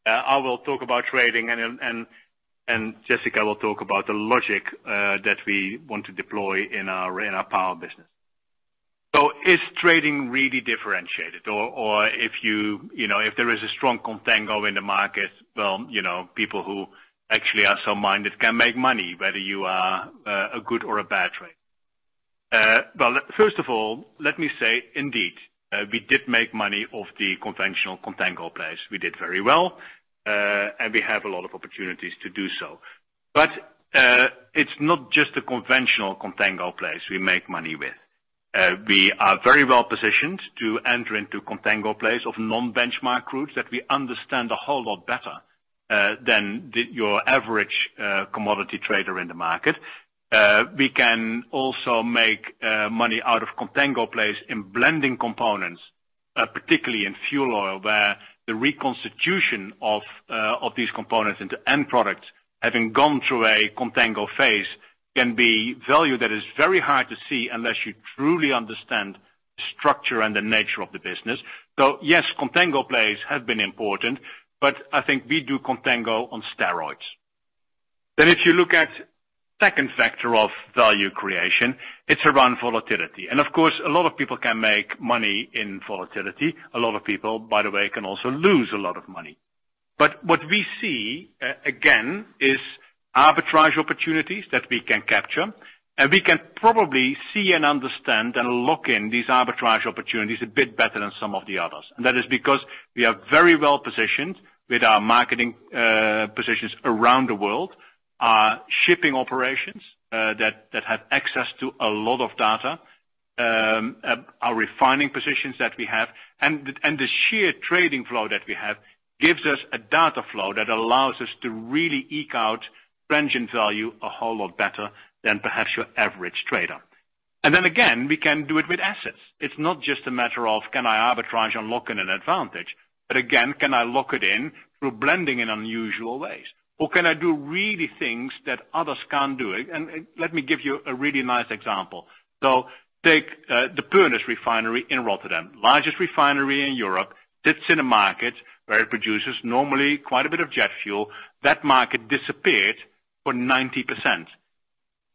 I will talk about trading, and Jessica will talk about the logic that we want to deploy in our power business. Is trading really differentiated? If there is a strong contango in the market, well, people who actually are so minded can make money, whether you are a good or a bad trader. Well, first of all, let me say indeed, we did make money off the conventional contango plays. We did very well, and we have a lot of opportunities to do so. It's not just the conventional contango plays we make money with. We are very well positioned to enter into contango plays of non-benchmark routes that we understand a whole lot better than your average commodity trader in the market. We can also make money out of contango plays in blending components, particularly in fuel oil, where the reconstitution of these components into end products, having gone through a contango phase, can be value that is very hard to see unless you truly understand the structure and the nature of the business. Yes, contango plays have been important, but I think we do contango on steroids. If you look at second factor of value creation, it's around volatility. Of course, a lot of people can make money in volatility. A lot of people, by the way, can also lose a lot of money. What we see, again, is arbitrage opportunities that we can capture, and we can probably see and understand and lock in these arbitrage opportunities a bit better than some of the others. That is because we are very well-positioned with our marketing positions around the world, our shipping operations that have access to a lot of data, our refining positions that we have, and the sheer trading flow that we have gives us a data flow that allows us to really eke out transient value a whole lot better than perhaps your average trader. Again, we can do it with assets. It's not just a matter of can I arbitrage and lock in an advantage, but again, can I lock it in through blending in unusual ways? Can I do really things that others can't do? Let me give you a really nice example. Take the Pernis refinery in Rotterdam, largest refinery in Europe, sits in a market where it produces normally quite a bit of jet fuel. That market disappeared for 90%.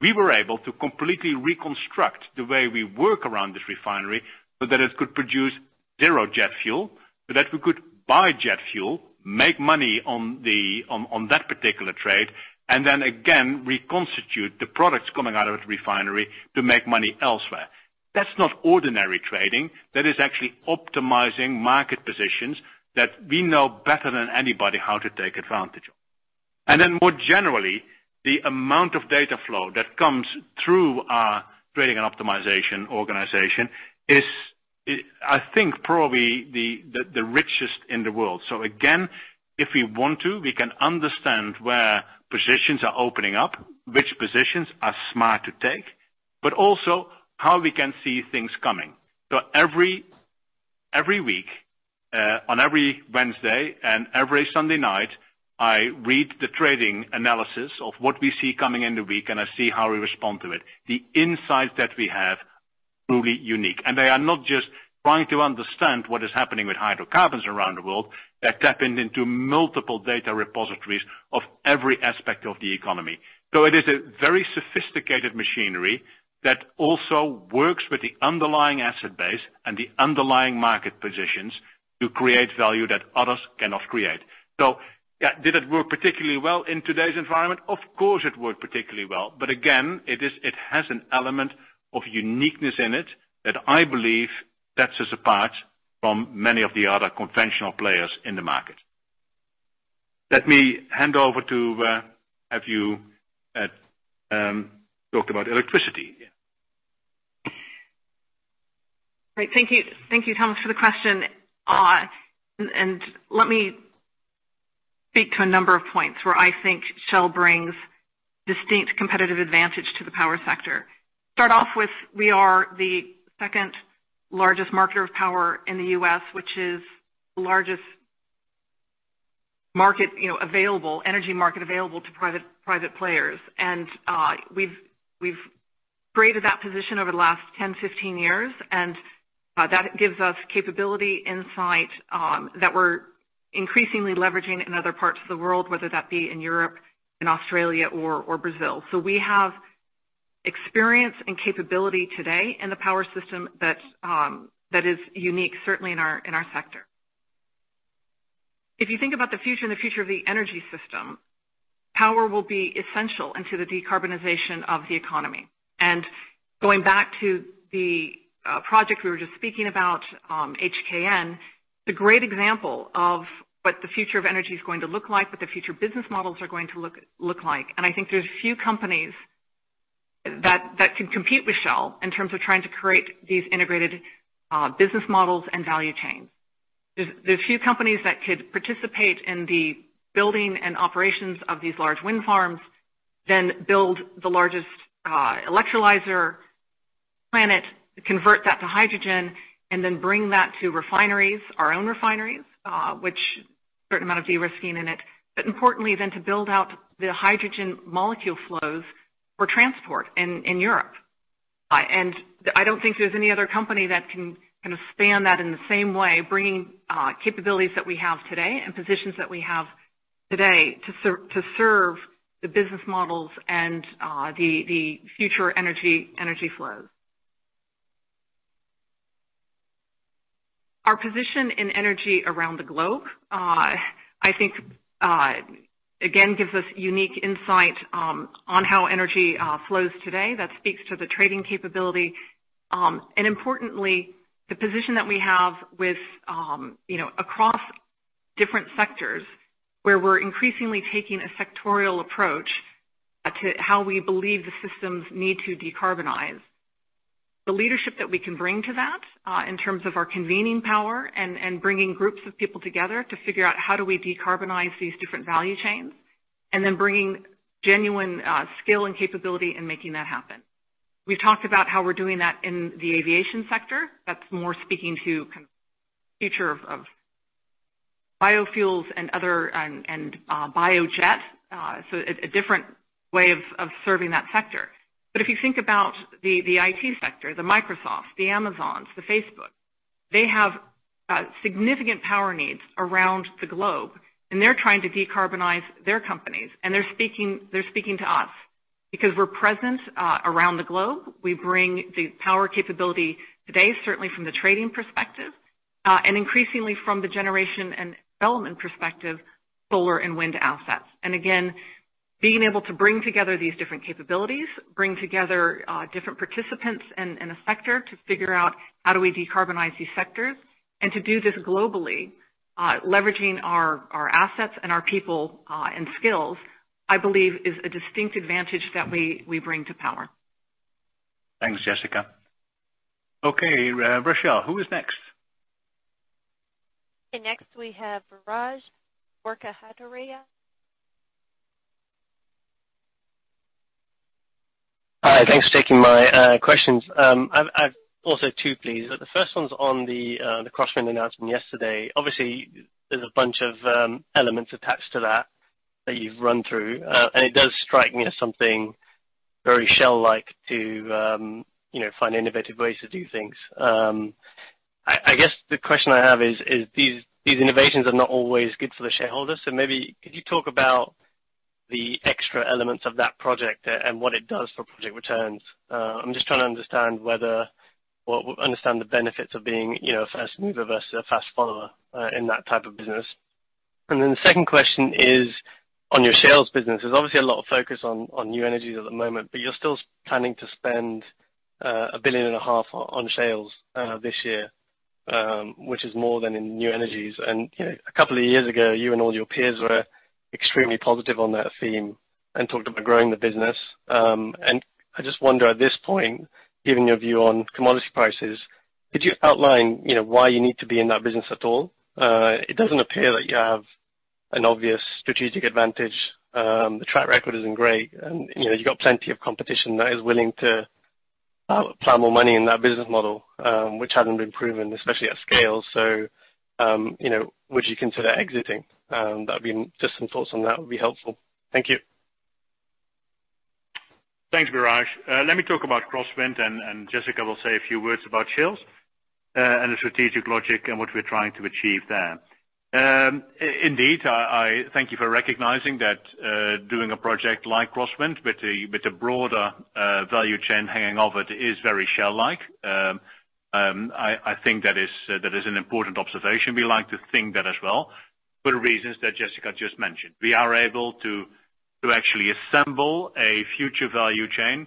We were able to completely reconstruct the way we work around this refinery so that it could produce zero jet fuel, so that we could buy jet fuel, make money on that particular trade, and then again, reconstitute the products coming out of the refinery to make money elsewhere. That's not ordinary trading. That is actually optimizing market positions that we know better than anybody how to take advantage of. More generally, the amount of data flow that comes through our trading and optimization organization is, I think, probably the richest in the world. Again, if we want to, we can understand where positions are opening up, which positions are smart to take, but also how we can see things coming. Every week, on every Wednesday and every Sunday night, I read the trading analysis of what we see coming in the week, and I see how we respond to it. The insights that we have, truly unique. They are not just trying to understand what is happening with hydrocarbons around the world. They're tapping into multiple data repositories of every aspect of the economy. It is a very sophisticated machinery that also works with the underlying asset base and the underlying market positions to create value that others cannot create. Did it work particularly well in today's environment? Of course, it worked particularly well. Again, it has an element of uniqueness in it that I believe sets us apart from many of the other conventional players in the market. Let me hand over to have you talk about electricity. Great. Thank you, Thomas, for the question. Let me speak to a number of points where I think Shell brings distinct competitive advantage to the power sector. Start off with, we are the second largest marketer of power in the U.S., which is the largest energy market available to private players. We've created that position over the last 10, 15 years, and that gives us capability, insight that we're increasingly leveraging in other parts of the world, whether that be in Europe, in Australia or Brazil. We have experience and capability today in the power system that is unique, certainly in our sector. If you think about the future and the future of the energy system, power will be essential into the decarbonization of the economy. Going back to the project we were just speaking about, HKN, it's a great example of what the future of energy is going to look like, what the future business models are going to look like. I think there's few companies that can compete with Shell in terms of trying to create these integrated business models and value chains. There's few companies that could participate in the building and operations of these large wind farms, then build the largest electrolyzer plant, convert that to hydrogen, and then bring that to refineries, our own refineries which certain amount of de-risking in it. Importantly, then to build out the hydrogen molecule flows for transport in Europe. I don't think there's any other company that can kind of span that in the same way, bringing capabilities that we have today and positions that we have today to serve the business models and the future energy flows. Our position in energy around the globe, I think, again, gives us unique insight on how energy flows today that speaks to the trading capability. Importantly, the position that we have across different sectors, where we're increasingly taking a sectorial approach to how we believe the systems need to decarbonize. The leadership that we can bring to that, in terms of our convening power and bringing groups of people together to figure out how do we decarbonize these different value chains, and then bringing genuine skill and capability in making that happen. We've talked about how we're doing that in the aviation sector. That's more speaking to kind of the future of biofuels and biojet. A different way of serving that sector. If you think about the IT sector, the Microsofts, the Amazons, the Facebooks, they have significant power needs around the globe, and they're trying to decarbonize their companies, and they're speaking to us because we're present around the globe. We bring the power capability today, certainly from the trading perspective, and increasingly from the generation and development perspective, solar and wind assets. Again, being able to bring together these different capabilities, bring together different participants in a sector to figure out how do we decarbonize these sectors, and to do this globally, leveraging our assets and our people and skills, I believe is a distinct advantage that we bring to power. Thanks, Jessica. Okay, Rochelle, who is next? Next, we have Biraj Borkhataria. Hi. Thanks for taking my questions. I've also two, please. The first one's on the CrossWind announcement yesterday. Obviously, there's a bunch of elements attached to that you've run through. It does strike me as something very Shell-like to find innovative ways to do things. I guess the question I have is, these innovations are not always good for the shareholders, maybe could you talk about the extra elements of that project and what it does for project returns? I'm just trying to understand the benefits of being a fast mover versus a fast follower in that type of business. The second question is on your Shales business. There's obviously a lot of focus on new energies at the moment, you're still planning to spend $1.5 billion on Shales this year, which is more than in new energies. A couple of years ago, you and all your peers were extremely positive on that theme and talked about growing the business. I just wonder at this point, given your view on commodity prices, could you outline why you need to be in that business at all? It doesn't appear that you have an obvious strategic advantage. The track record isn't great, and you've got plenty of competition that is willing to plow more money in that business model, which hasn't been proven, especially at scale. Would you consider exiting? Just some thoughts on that would be helpful. Thank you. Thanks, Biraj. Let me talk about CrossWind, and Jessica will say a few words about Shales and the strategic logic and what we're trying to achieve there. Indeed, I thank you for recognizing that doing a project like CrossWind with a broader value chain hanging off it is very Shell-like. I think that is an important observation. We like to think that as well for reasons that Jessica just mentioned. We are able to actually assemble a future value chain,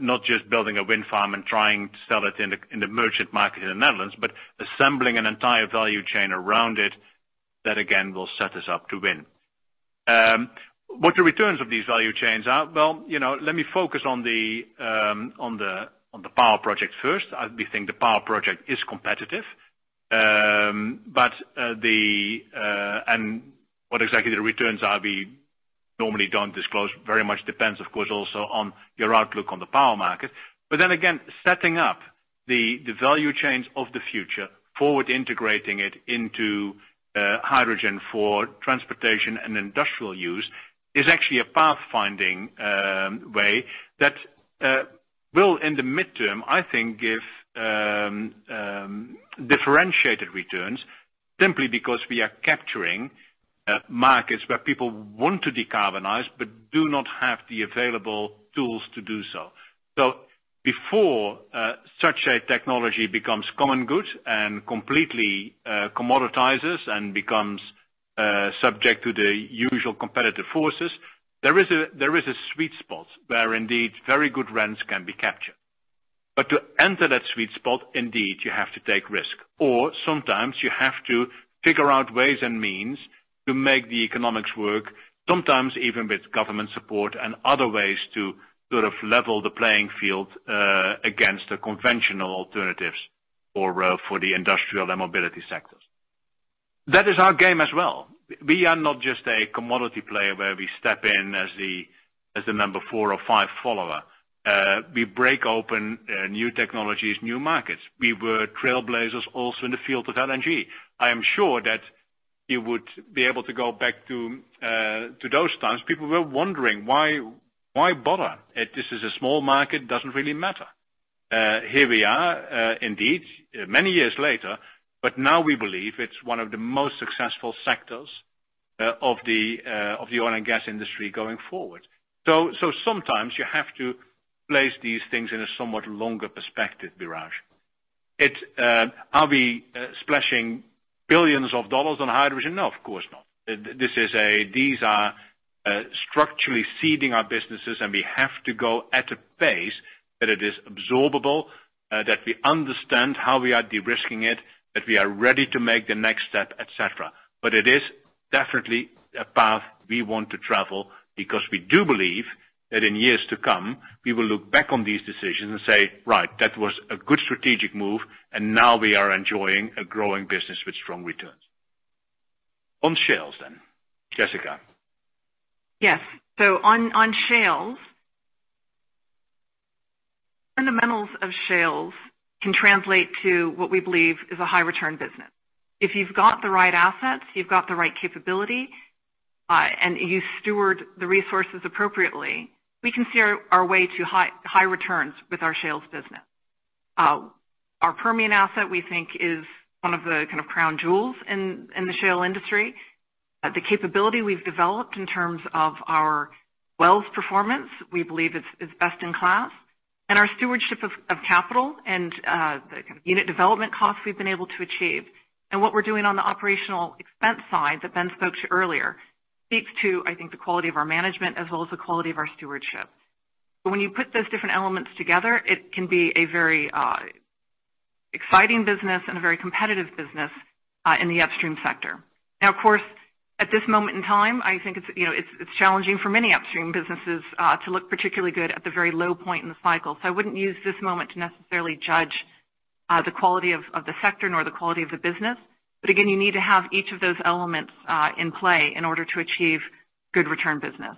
not just building a wind farm and trying to sell it in the merchant market in the Netherlands, but assembling an entire value chain around it that, again, will set us up to win. What the returns of these value chains are, well, let me focus on the power project first. We think the power project is competitive. What exactly the returns are, we normally don't disclose. Very much depends, of course, also on your outlook on the power market. Setting up the value chains of the future, forward integrating it into hydrogen for transportation and industrial use is actually a path-finding way that will, in the midterm, I think, give differentiated returns simply because we are capturing markets where people want to decarbonize but do not have the available tools to do so. Before such a technology becomes common good and completely commoditizes and becomes subject to the usual competitive forces, there is a sweet spot where indeed very good rents can be captured. To enter that sweet spot, indeed, you have to take risk, or sometimes you have to figure out ways and means to make the economics work, sometimes even with government support and other ways to level the playing field against the conventional alternatives for the industrial and mobility sectors. That is our game as well. We are not just a commodity player where we step in as the number four or five follower. We break open new technologies, new markets. We were trailblazers also in the field of LNG. I am sure that you would be able to go back to those times. People were wondering, why bother? This is a small market. It doesn't really matter. Here we are, indeed, many years later, but now we believe it's one of the most successful sectors of the oil and gas industry going forward. Sometimes you have to place these things in a somewhat longer perspective, Biraj. Are we splashing billions of dollars on hydrogen? No, of course not. These are structurally seeding our businesses, and we have to go at a pace that it is absorbable, that we understand how we are de-risking it, that we are ready to make the next step, et cetera. It is definitely a path we want to travel because we do believe that in years to come, we will look back on these decisions and say, "Right, that was a good strategic move, and now we are enjoying a growing business with strong returns." On Shales then, Jessica. Yes. On Shales, fundamentals of shales can translate to what we believe is a high return business. If you've got the right assets, you've got the right capability, and you steward the resources appropriately, we can steer our way to high returns with our shales business. Our Permian asset, we think, is one of the kind of crown jewels in the shale industry. The capability we've developed in terms of our wells performance, we believe is best in class. Our stewardship of capital and the unit development costs we've been able to achieve and what we're doing on the operational expense side that Ben spoke to earlier speaks to, I think, the quality of our management as well as the quality of our stewardship. When you put those different elements together, it can be a very exciting business and a very competitive business in the Upstream sector. Of course, at this moment in time, I think it's challenging for many Upstream businesses to look particularly good at the very low point in the cycle. I wouldn't use this moment to necessarily judge the quality of the sector nor the quality of the business. Again, you need to have each of those elements in play in order to achieve good return business.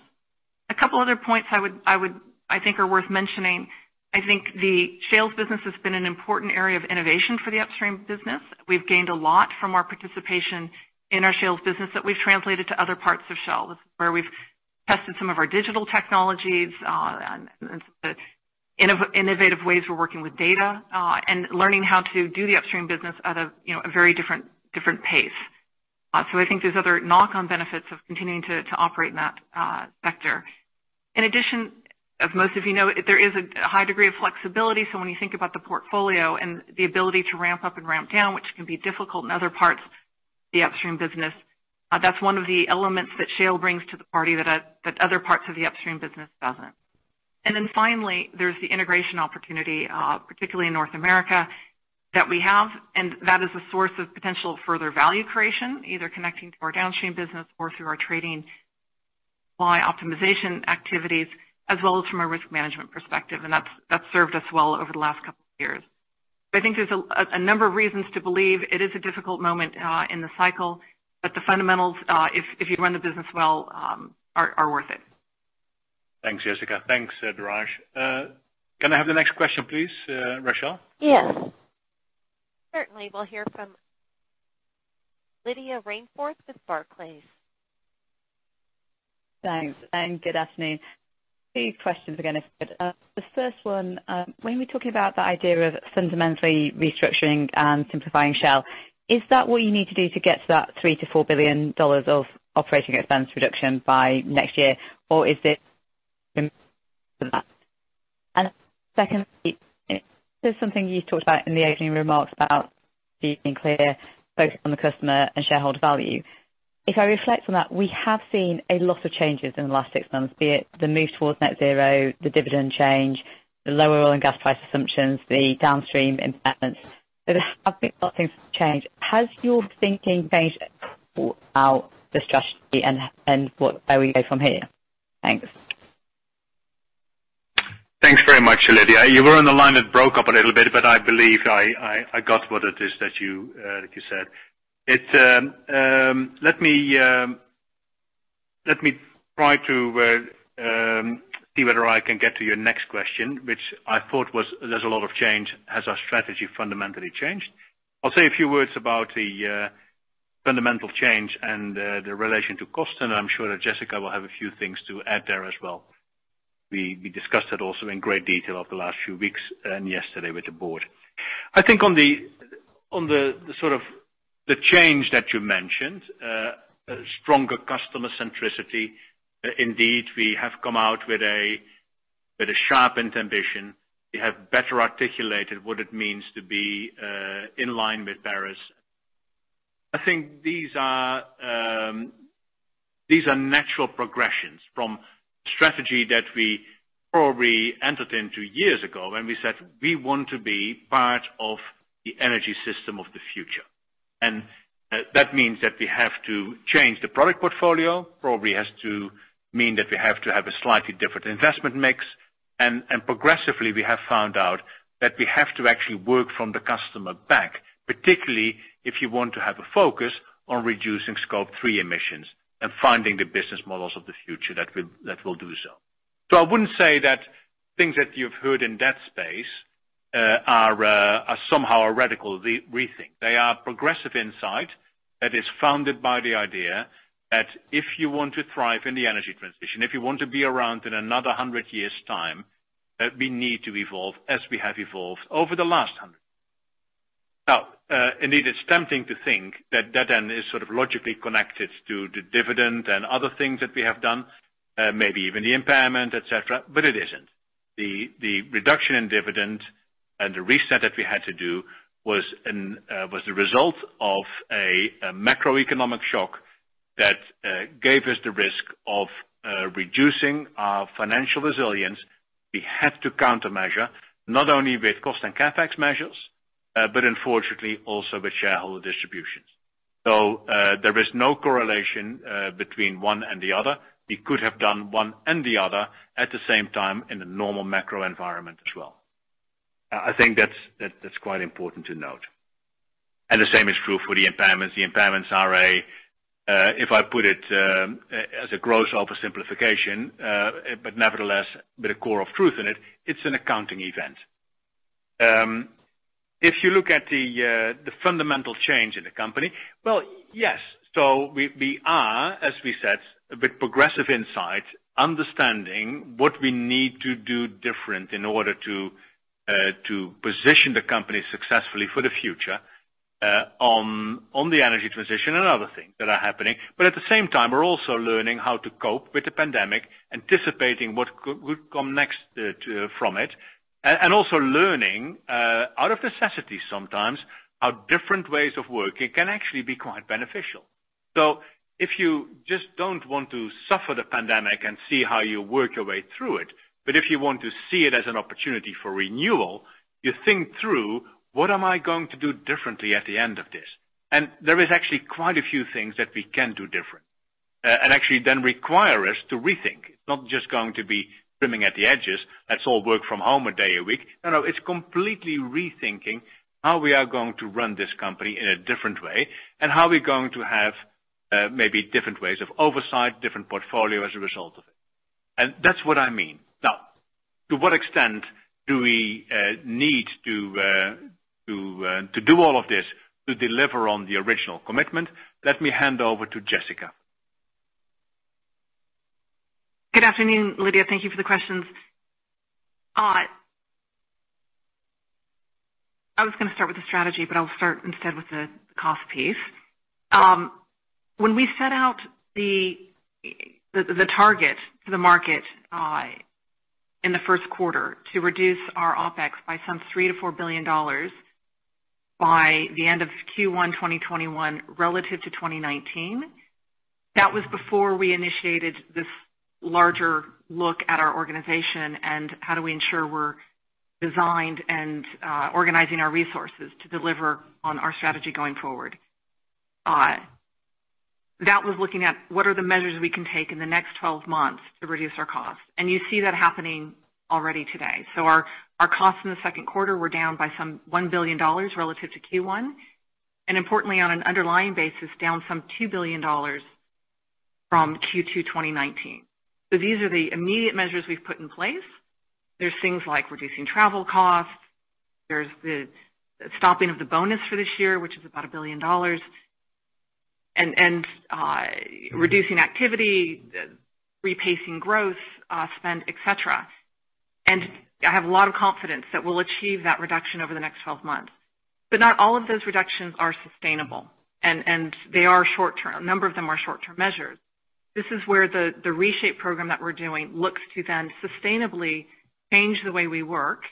A couple other points I think are worth mentioning. I think the Shales business has been an important area of innovation for the Upstream business. We've gained a lot from our participation in our Shales business that we've translated to other parts of Shell. That's where we've tested some of our digital technologies and innovative ways we're working with data, and learning how to do the Upstream business at a very different pace. I think there's other knock-on benefits of continuing to operate in that sector. In addition, as most of you know, there is a high degree of flexibility. When you think about the portfolio and the ability to ramp up and ramp down, which can be difficult in other parts of the Upstream business, that's one of the elements that Shales brings to the party that other parts of the Upstream business doesn't. Finally, there's the integration opportunity, particularly in North America, that we have, and that is a source of potential further value creation, either connecting to our Downstream business or through our trading supply optimization activities, as well as from a risk management perspective. That's served us well over the last couple of years. I think there's a number of reasons to believe it is a difficult moment in the cycle, but the fundamentals, if you run the business well, are worth it. Thanks, Jessica. Thanks, Biraj. Can I have the next question, please, Rochelle? Yes. Certainly. We'll hear from Lydia Rainforth with Barclays. Thanks. Good afternoon. Two questions, again. The first one, when we're talking about the idea of fundamentally restructuring and simplifying Shell, is that what you need to do to get to that $3 billion-$4 billion of operating expense reduction by next year? Is that? Secondly, there's something you talked about in the opening remarks about being clear, both on the customer and shareholder value. If I reflect on that, we have seen a lot of changes in the last six months, be it the move towards net zero, the dividend change, the lower oil and gas price assumptions, the Downstream impairments. There have been a lot of things that have changed. Has your thinking changed at all about the strategy and where we go from here? Thanks. Thanks very much, Lydia. You were on the line that broke up a little bit, but I believe I got what it is that you said. Let me try to see whether I can get to your next question, which I thought was, there's a lot of change, has our strategy fundamentally changed? I'll say a few words about the fundamental change and the relation to cost, and I'm sure that Jessica will have a few things to add there as well. We discussed that also in great detail over the last few weeks and yesterday with the board. I think on the change that you mentioned, stronger customer centricity. Indeed, we have come out with a sharpened ambition. We have better articulated what it means to be in line with Paris. I think these are natural progressions from the strategy that we probably entered into years ago when we said we want to be part of the energy system of the future. That means that we have to change the product portfolio, probably has to mean that we have to have a slightly different investment mix. Progressively, we have found out that we have to actually work from the customer back, particularly if you want to have a focus on reducing Scope 3 emissions and finding the business models of the future that will do so. I wouldn't say that things that you've heard in that space are somehow a radical rethink. They are progressive insight that is founded by the idea that if you want to thrive in the energy transition, if you want to be around in another 100 years' time, we need to evolve as we have evolved over the last 100. Indeed, it's tempting to think that that then is sort of logically connected to the dividend and other things that we have done, maybe even the impairment, et cetera, but it isn't. The reduction in dividend and the reset that we had to do was the result of a macroeconomic shock that gave us the risk of reducing our financial resilience. We had to countermeasure not only with cost and CapEx measures, but unfortunately, also with shareholder distributions. There is no correlation between one and the other. We could have done one and the other at the same time in a normal macro environment as well. I think that's quite important to note. The same is true for the impairments. The impairments are a, if I put it as a gross oversimplification, but nevertheless with a core of truth in, it's an accounting event. If you look at the fundamental change in the company, well, yes. We are, as we said, with progressive insight, understanding what we need to do different in order to position the company successfully for the future on the energy transition and other things that are happening. At the same time, we're also learning how to cope with the pandemic, anticipating what could come next from it, and also learning, out of necessity sometimes, how different ways of working can actually be quite beneficial. If you just don't want to suffer the pandemic and see how you work your way through it, if you want to see it as an opportunity for renewal, you think through, "What am I going to do differently at the end of this?" There is actually quite a few things that we can do different. Actually then require us to rethink. It's not just going to be trimming at the edges. Let's all work from home a day a week. No, it's completely rethinking how we are going to run this company in a different way, and how we're going to have maybe different ways of oversight, different portfolio as a result of it. That's what I mean. Now, to what extent do we need to do all of this to deliver on the original commitment? Let me hand over to Jessica. Good afternoon, Lydia. Thank you for the questions. I was going to start with the strategy, but I'll start instead with the cost piece. When we set out the target to the market in the first quarter to reduce our OpEx by some $3 billion-$4 billion by the end of Q1 2021 relative to 2019, that was before we initiated this larger look at our organization and how do we ensure we're designed and organizing our resources to deliver on our strategy going forward. That was looking at what are the measures we can take in the next 12 months to reduce our cost. You see that happening already today. Our costs in the second quarter were down by some $1 billion relative to Q1, and importantly, on an underlying basis, down some $2 billion from Q2 2019. These are the immediate measures we've put in place. There's things like reducing travel costs. There's the stopping of the bonus for this year, which is about $1 billion, and reducing activity, repacing growth spend, et cetera. I have a lot of confidence that we'll achieve that reduction over the next 12 months. Not all of those reductions are sustainable, and they are short-term. A number of them are short-term measures. This is where the reshape program that we're doing looks to then sustainably change the way we work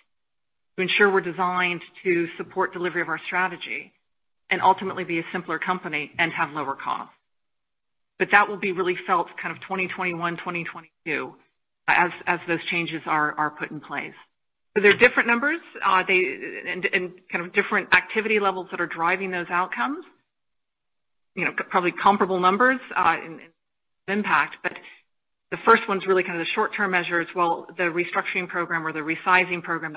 to ensure we're designed to support delivery of our strategy and ultimately be a simpler company and have lower cost. That will be really felt kind of 2021, 2022, as those changes are put in place. They're different numbers, and kind of different activity levels that are driving those outcomes. Probably comparable numbers in impact. The first one's really kind of the short-term measures, while the restructuring program or the resizing program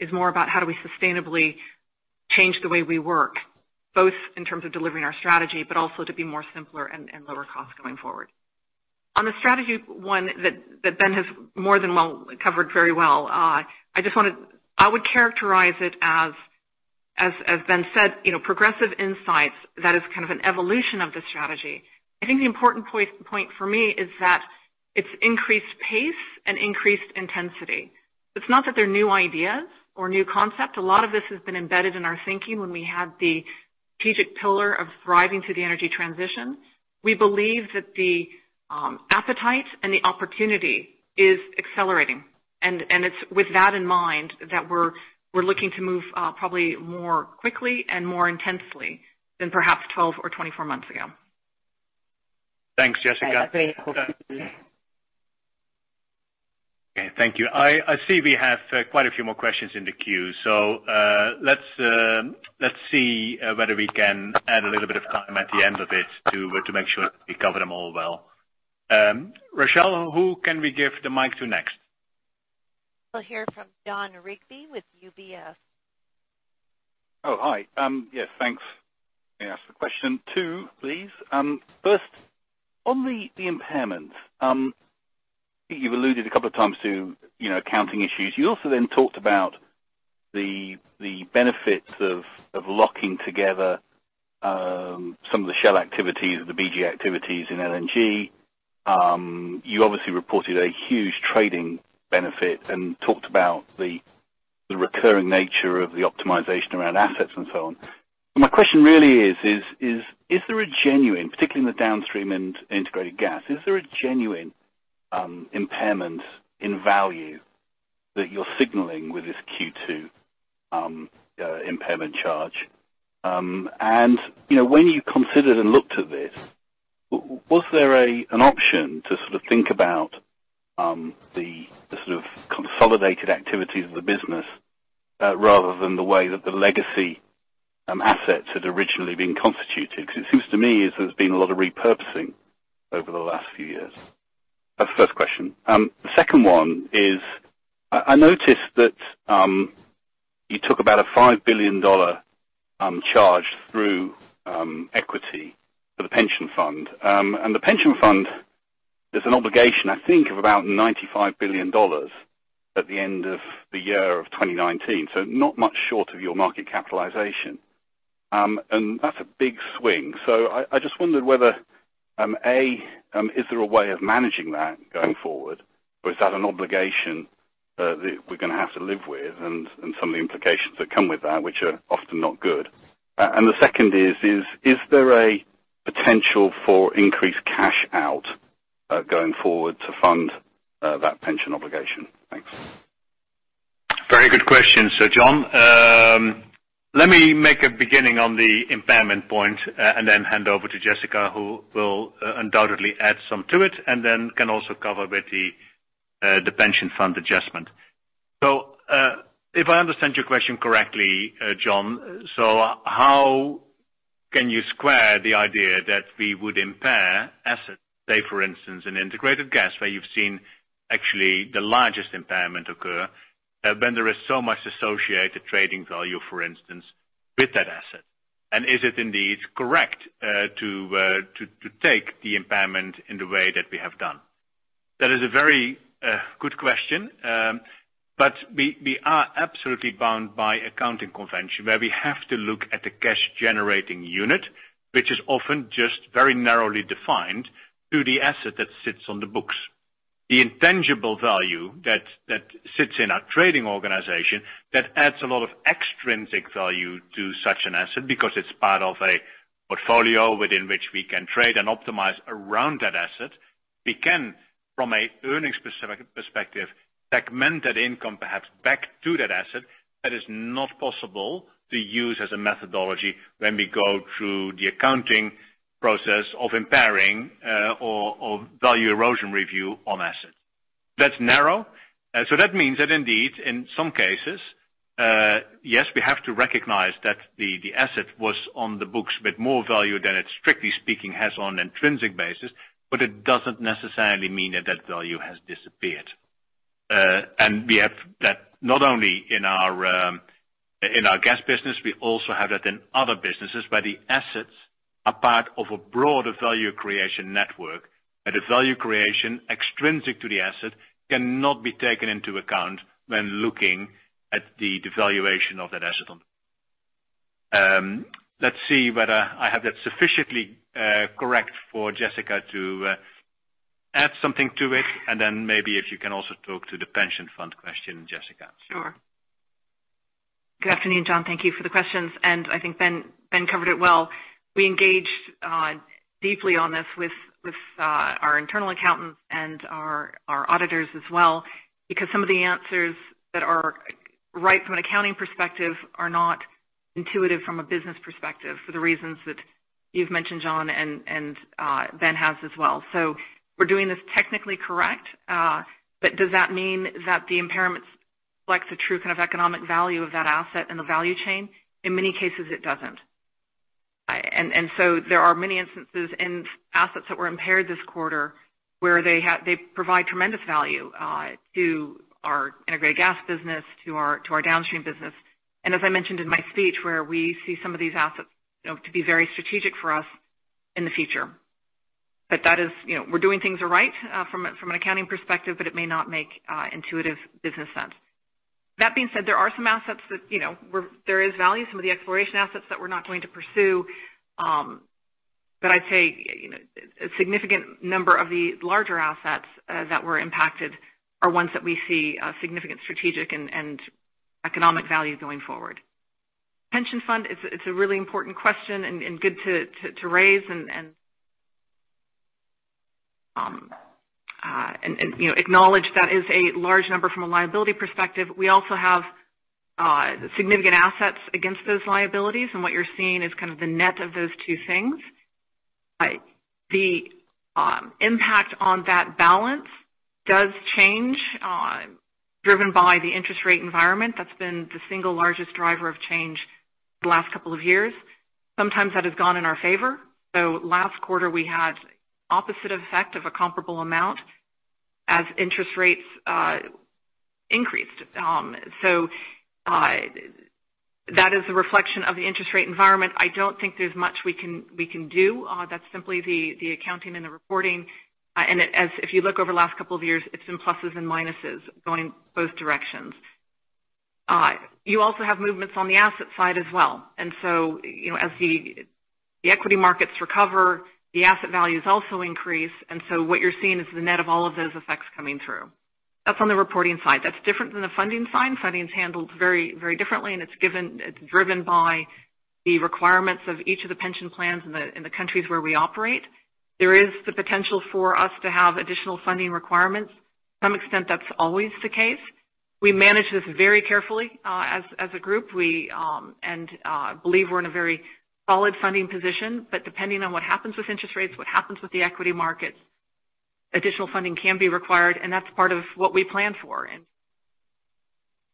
is more about how do we sustainably change the way we work, both in terms of delivering our strategy, but also to be more simpler and lower cost going forward. On the strategy one that Ben has more than well covered very well, I would characterize it as Ben said, progressive insights that is kind of an evolution of the strategy. I think the important point for me is that it's increased pace and increased intensity. It's not that they're new ideas or new concept. A lot of this has been embedded in our thinking when we had the strategic pillar of thriving through the energy transition. We believe that the appetite and the opportunity is accelerating, and it's with that in mind that we're looking to move probably more quickly and more intensely than perhaps 12 or 24 months ago. Thanks, Jessica. Great. Okay. Thank you. I see we have quite a few more questions in the queue. Let's see whether we can add a little bit of time at the end of it to make sure that we cover them all well. Rochelle, who can we give the mic to next? We'll hear from Jon Rigby with UBS. Oh, hi. Yes, thanks. May I ask a question, two, please? First, on the impairments. You've alluded a couple of times to accounting issues. You also then talked about the benefits of locking together some of the Shell activities or the BG activities in LNG. You obviously reported a huge trading benefit and talked about the recurring nature of the optimization around assets and so on. My question really is, particularly in the Downstream and Integrated Gas, is there a genuine impairment in value that you're signaling with this Q2 impairment charge? When you considered and looked to this, was there an option to sort of think about the sort of consolidated activities of the business, rather than the way that the legacy assets had originally been constituted? It seems to me is there's been a lot of repurposing over the last few years. That's the first question. The second one is, I noticed that you took about a $5 billion charge through equity for the pension fund. The pension fund, there's an obligation, I think, of about $95 billion at the end of the year of 2019, so not much short of your market capitalization. That's a big swing. I just wondered whether, A, is there a way of managing that going forward? Is that an obligation that we're going to have to live with, and some of the implications that come with that, which are often not good? The second is there a potential for increased cash out going forward to fund that pension obligation? Thanks. Very good question, Jon. Let me make a beginning on the impairment point, and then hand over to Jessica, who will undoubtedly add some to it, and then can also cover with the pension fund adjustment. If I understand your question correctly, Jon, how can you square the idea that we would impair assets, say, for instance, in Integrated Gas, where you've seen actually the largest impairment occur, when there is so much associated trading value, for instance, with that asset? Is it indeed correct to take the impairment in the way that we have done? That is a very good question. We are absolutely bound by accounting convention, where we have to look at the cash-generating unit, which is often just very narrowly defined to the asset that sits on the books. The intangible value that sits in our trading organization, that adds a lot of extrinsic value to such an asset, because it's part of a portfolio within which we can trade and optimize around that asset, we can, from an earning perspective, segment that income perhaps back to that asset. That is not possible to use as a methodology when we go through the accounting process of impairing or value erosion review on assets. That's narrow. That means that indeed, in some cases, yes, we have to recognize that the asset was on the books with more value than it strictly speaking has on an intrinsic basis, but it doesn't necessarily mean that that value has disappeared. We have that not only in our gas business, we also have that in other businesses, where the assets are part of a broader value creation network, where the value creation extrinsic to the asset cannot be taken into account when looking at the devaluation of that asset. Let's see whether I have that sufficiently correct for Jessica to add something to it, and then maybe if you can also talk to the pension fund question, Jessica? Sure. Good afternoon, Jon. Thank you for the questions. I think Ben covered it well. We engaged deeply on this with our internal accountants and our auditors as well, because some of the answers that are right from an accounting perspective are not intuitive from a business perspective for the reasons that you've mentioned, Jon, and Ben has as well. We're doing this technically correct. Does that mean that the impairment reflects the true kind of economic value of that asset in the value chain? In many cases, it doesn't. There are many instances in assets that were impaired this quarter, where they provide tremendous value to our Integrated Gas business, to our Downstream business. As I mentioned in my speech, where we see some of these assets to be very strategic for us in the future. We're doing things right from an accounting perspective, but it may not make intuitive business sense. That being said, there are some assets that there is value, some of the exploration assets that we're not going to pursue. I'd say a significant number of the larger assets that were impacted are ones that we see significant strategic and economic value going forward. Pension fund, it's a really important question and good to raise and acknowledge that is a large number from a liability perspective. We also have significant assets against those liabilities, and what you're seeing is kind of the net of those two things. The impact on that balance does change, driven by the interest rate environment. That's been the single largest driver of change the last couple of years. Sometimes that has gone in our favor. Last quarter, we had opposite effect of a comparable amount as interest rates increased. That is a reflection of the interest rate environment. I don't think there's much we can do. That's simply the accounting and the reporting. If you look over the last couple of years, it's been pluses and minuses going both directions. You also have movements on the asset side as well. As the equity markets recover, the asset values also increase. What you're seeing is the net of all of those effects coming through. That's on the reporting side. That's different than the funding side. Funding is handled very differently, and it's driven by the requirements of each of the pension plans in the countries where we operate. There is the potential for us to have additional funding requirements. To some extent, that's always the case. We manage this very carefully as a group, and believe we're in a very solid funding position. Depending on what happens with interest rates, what happens with the equity markets, additional funding can be required, and that's part of what we plan for in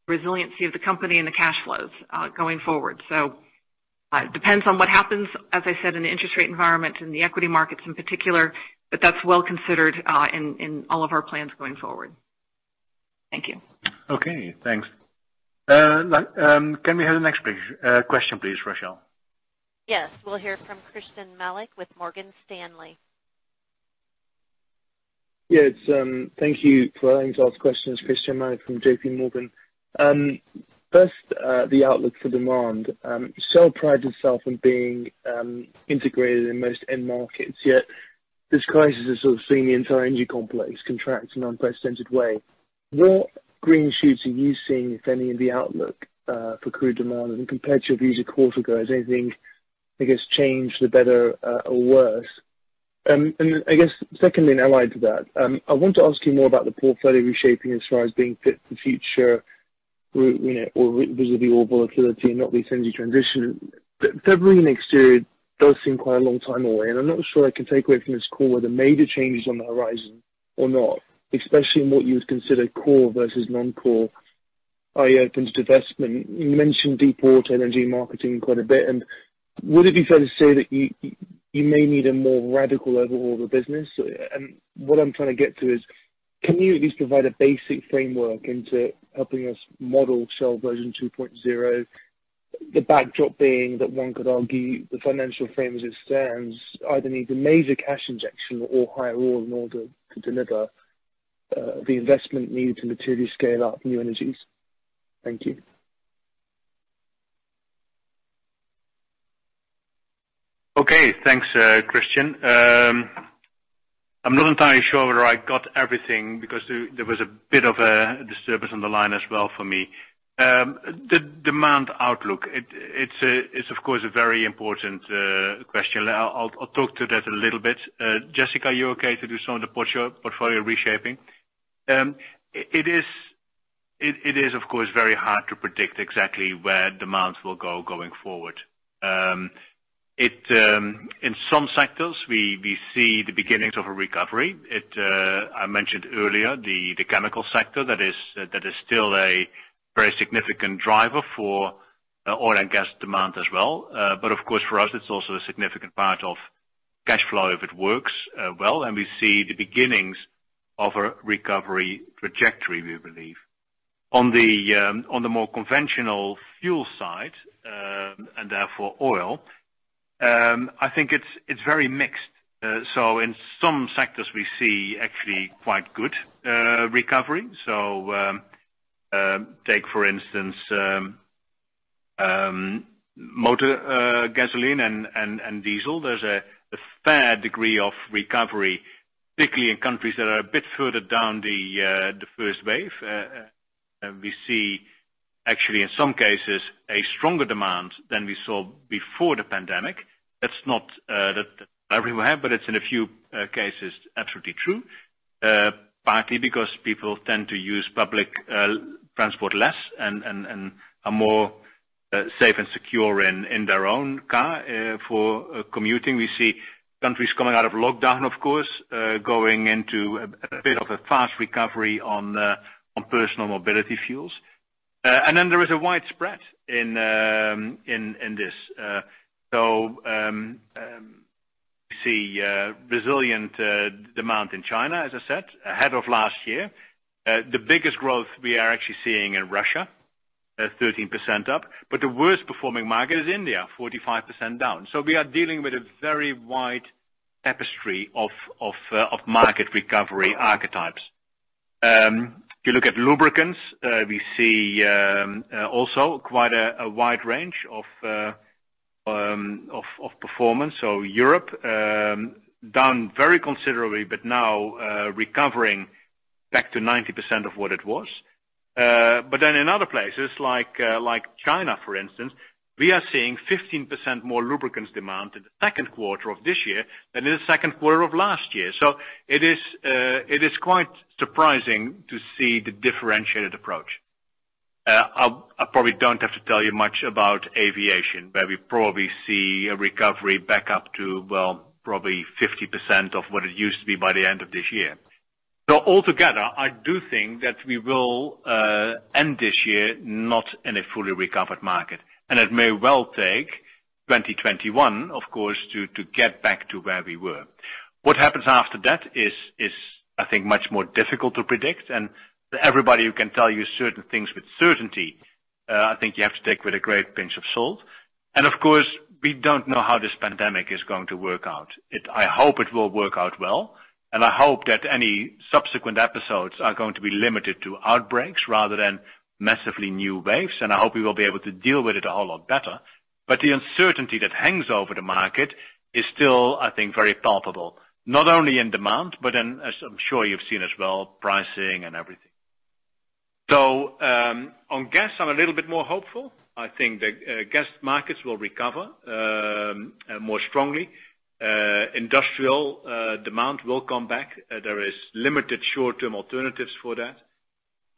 the resiliency of the company and the cash flows going forward. It depends on what happens, as I said, in the interest rate environment and the equity markets in particular, but that's well considered in all of our plans going forward. Thank you. Okay, thanks. Can we have the next question, please, Rochelle? Yes. We'll hear from Christyan Malek with Morgan Stanley. Yes, thank you for letting me ask questions. Christyan Malek from JPMorgan. First, the outlook for demand. Shell prides itself on being integrated in most end markets, yet this crisis has sort of seen the entire energy complex contract in an unprecedented way. What green shoots are you seeing, if any, in the outlook for crude demand? Compared to your views a quarter ago, has anything, I guess, changed for better or worse? I guess secondly, and allied to that, I want to ask you more about the portfolio reshaping as far as being fit for future, or vis-à-vis your volatility and not least energy transition. February next year does seem quite a long time away, and I'm not sure I can take away from this call where the major change is on the horizon or not, especially in what you would consider core versus non-core, i.e., open to divestment. You mentioned deepwater energy marketing quite a bit, would it be fair to say that you may need a more radical overhaul of the business? What I'm trying to get to is, can you at least provide a basic framework into helping us model Shell version 2.0, the backdrop being that one could argue the financial frame as it stands either needs a major cash injection or higher oil in order to deliver the investment needed to materially scale up new energies. Thank you. Okay. Thanks, Christyan. I'm not entirely sure whether I got everything because there was a bit of a disturbance on the line as well for me. The demand outlook, it's of course a very important question. I'll talk to that a little bit. Jessica, are you okay to do some of the portfolio reshaping? It is of course very hard to predict exactly where demand will go going forward. In some sectors, we see the beginnings of a recovery. I mentioned earlier the Chemicals sector, that is still a very significant driver for oil and gas demand as well. Of course for us, it's also a significant part of cash flow if it works well. We see the beginnings of a recovery trajectory, we believe. On the more conventional fuel side, and therefore oil, I think it's very mixed. In some sectors we see actually quite good recovery. Take for instance motor gasoline and diesel. There's a fair degree of recovery, particularly in countries that are a bit further down the first wave. We see actually in some cases a stronger demand than we saw before the pandemic. That's not everywhere, but it's in a few cases absolutely true. Partly because people tend to use public transport less and are more safe and secure in their own car for commuting. We see countries coming out of lockdown, of course, going into a bit of a fast recovery on personal mobility fuels. There is a wide spread in this. We see resilient demand in China, as I said, ahead of last year. The biggest growth we are actually seeing in Russia, 13% up, but the worst performing market is India, 45% down. We are dealing with a very wide tapestry of market recovery archetypes. If you look at Lubricants, we see also quite a wide range of performance. Europe, down very considerably, but now recovering back to 90% of what it was. In other places like China, for instance, we are seeing 15% more Lubricants demand in the second quarter of this year than in the second quarter of last year. It is quite surprising to see the differentiated approach. I probably don't have to tell you much about aviation, where we probably see a recovery back up to, well, probably 50% of what it used to be by the end of this year. Altogether, I do think that we will end this year not in a fully recovered market, and it may well take 2021, of course, to get back to where we were. What happens after that is I think much more difficult to predict. Everybody who can tell you certain things with certainty, I think you have to take with a great pinch of salt. Of course, we don't know how this pandemic is going to work out. I hope it will work out well, and I hope that any subsequent episodes are going to be limited to outbreaks rather than massively new waves, and I hope we will be able to deal with it a whole lot better. The uncertainty that hangs over the market is still, I think, very palpable. Not only in demand, but in, as I'm sure you've seen as well, pricing and everything. On gas, I'm a little bit more hopeful. I think the gas markets will recover more strongly. Industrial demand will come back. There is limited short-term alternatives for that.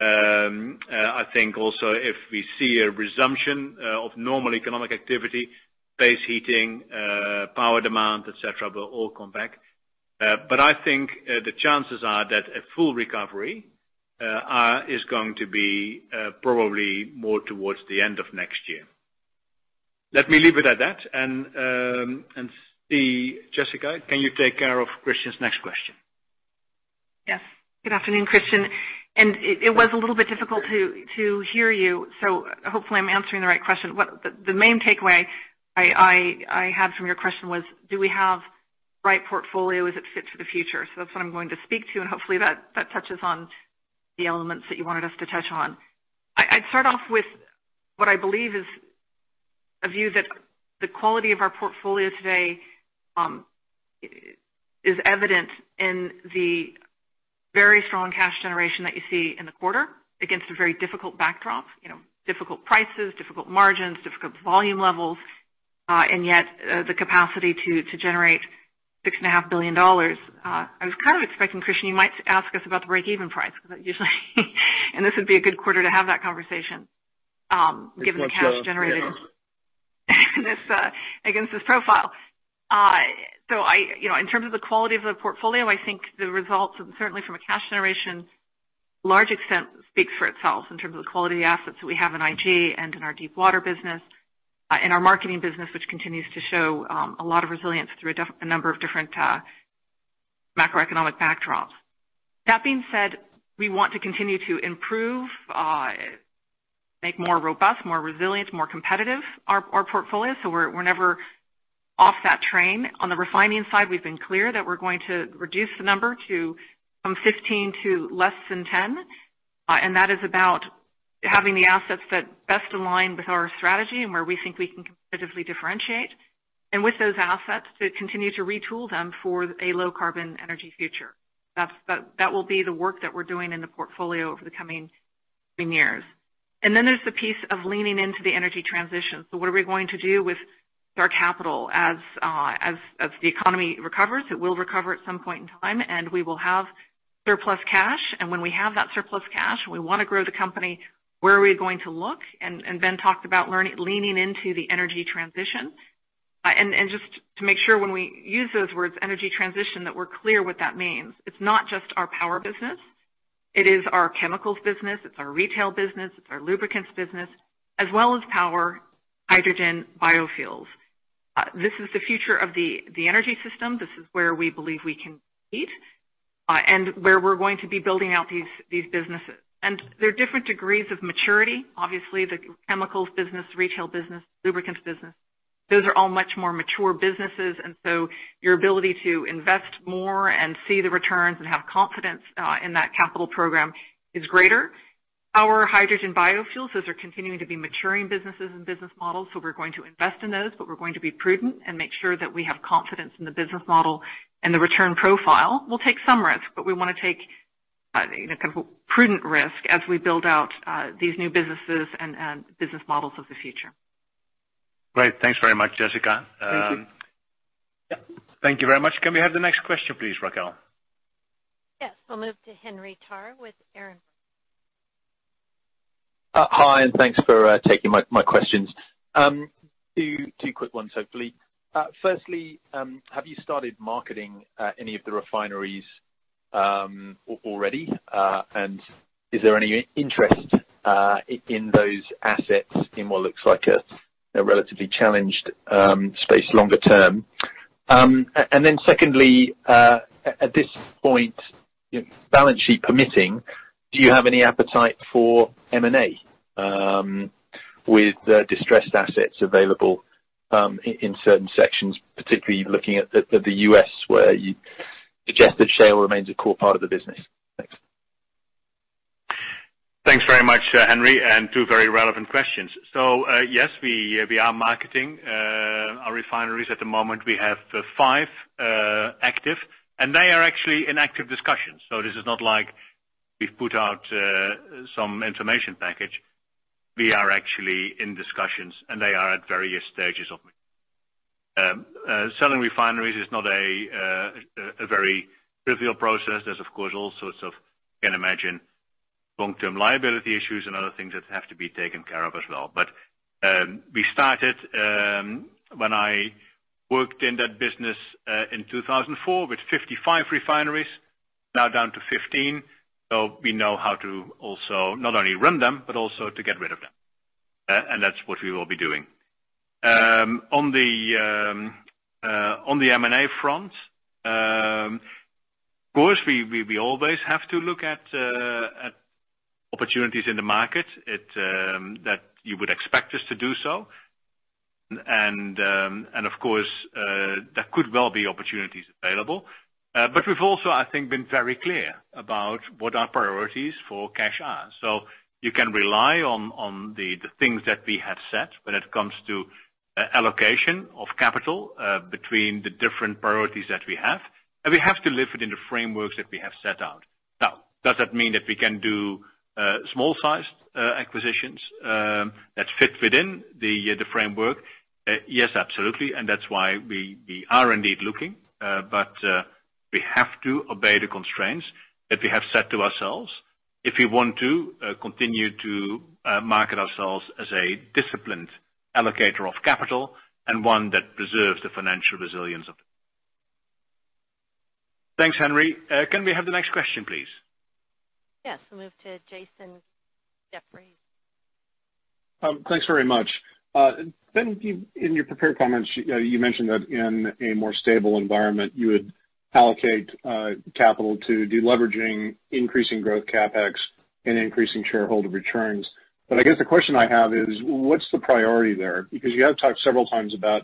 I think also if we see a resumption of normal economic activity, space heating, power demand, et cetera, will all come back. I think the chances are that a full recovery is going to be probably more towards the end of next year. Let me leave it at that. See, Jessica, can you take care of Christyan's next question? Yes. Good afternoon, Christyan. It was a little bit difficult to hear you, so hopefully I'm answering the right question. The main takeaway I had from your question was, do we have the right portfolio, is it fit for the future? That's what I'm going to speak to, hopefully that touches on the elements that you wanted us to touch on. I'd start off with what I believe is a view that the quality of our portfolio today is evident in the very strong cash generation that you see in the quarter against a very difficult backdrop. Difficult prices, difficult margins, difficult volume levels, and yet the capacity to generate $6.5 billion. I was kind of expecting, Christyan, you might ask us about the break-even price, usually this would be a good quarter to have that conversation, given the cash generated against this profile. In terms of the quality of the portfolio, I think the results, certainly from a cash generation large extent, speaks for itself in terms of the quality assets that we have in IG and in our deepwater business, and our marketing business, which continues to show a lot of resilience through a number of different macroeconomic backdrops. That being said, we want to continue to improve, make more robust, more resilient, more competitive, our portfolio. We're never off that train. On the refining side, we've been clear that we're going to reduce the number from 15 to less than 10. That is about having the assets that best align with our strategy and where we think we can competitively differentiate. With those assets, to continue to retool them for a low-carbon energy future. That will be the work that we're doing in the portfolio over the coming years. There's the piece of leaning into the energy transition. What are we going to do with our capital as the economy recovers? It will recover at some point in time, and we will have surplus cash. When we have that surplus cash, and we want to grow the company, where are we going to look? Ben talked about leaning into the energy transition. Just to make sure when we use those words, energy transition, that we're clear what that means. It's not just our power business. It is our Chemicals business, it's our retail business, it's our Lubricants business, as well as power, hydrogen, biofuels. This is the future of the energy system. This is where we believe we can lead, where we're going to be building out these businesses. There are different degrees of maturity. Obviously, the Chemicals business, retail business, Lubricants business, those are all much more mature businesses. Your ability to invest more and see the returns and have confidence in that capital program is greater. Our hydrogen biofuels, those are continuing to be maturing businesses and business models, so we're going to invest in those, but we're going to be prudent and make sure that we have confidence in the business model and the return profile. We'll take some risk, but we want to take prudent risk as we build out these new businesses and business models of the future. Great. Thanks very much, Jessica. Thank you. Yeah. Thank you very much. Can we have the next question please, Rochelle? Yes. We'll move to Henry Tarr with Berenberg. Hi, thanks for taking my questions. Two quick ones, hopefully. Firstly, have you started marketing any of the refineries already? Is there any interest in those assets in what looks like a relatively challenged space longer term? Secondly, at this point, balance sheet permitting, do you have any appetite for M&A with distressed assets available in certain sections, particularly looking at the U.S., where you suggested Shell remains a core part of the business? Thanks. Thanks very much, Henry, and two very relevant questions. Yes, we are marketing our refineries. At the moment, we have five active, and they are actually in active discussions. This is not like we've put out some information package. We are actually in discussions, and they are at various stages. Selling refineries is not a very trivial process. There's, of course, all sorts of, you can imagine, long-term liability issues and other things that have to be taken care of as well. We started when I worked in that business in 2004 with 55 refineries, now down to 15. We know how to also not only run them, but also to get rid of them. That's what we will be doing. On the M&A front, of course, we always have to look at opportunities in the market, that you would expect us to do so. Of course, there could well be opportunities available. We've also, I think, been very clear about what our priorities for cash are. You can rely on the things that we have set when it comes to allocation of capital between the different priorities that we have. We have to live it in the frameworks that we have set out. Now, does that mean that we can do small-sized acquisitions that fit within the framework? Yes, absolutely, and that's why we are indeed looking. We have to obey the constraints that we have set to ourselves if we want to continue to market ourselves as a disciplined allocator of capital and one that preserves the financial resilience of the company. Thanks, Henry. Can we have the next question, please? Yes. We'll move to Jason Gammel, Jefferies. Thanks very much. Ben, in your prepared comments, you mentioned that in a more stable environment, you would allocate capital to deleveraging, increasing growth CapEx, and increasing shareholder returns. I guess the question I have is, what's the priority there? You have talked several times about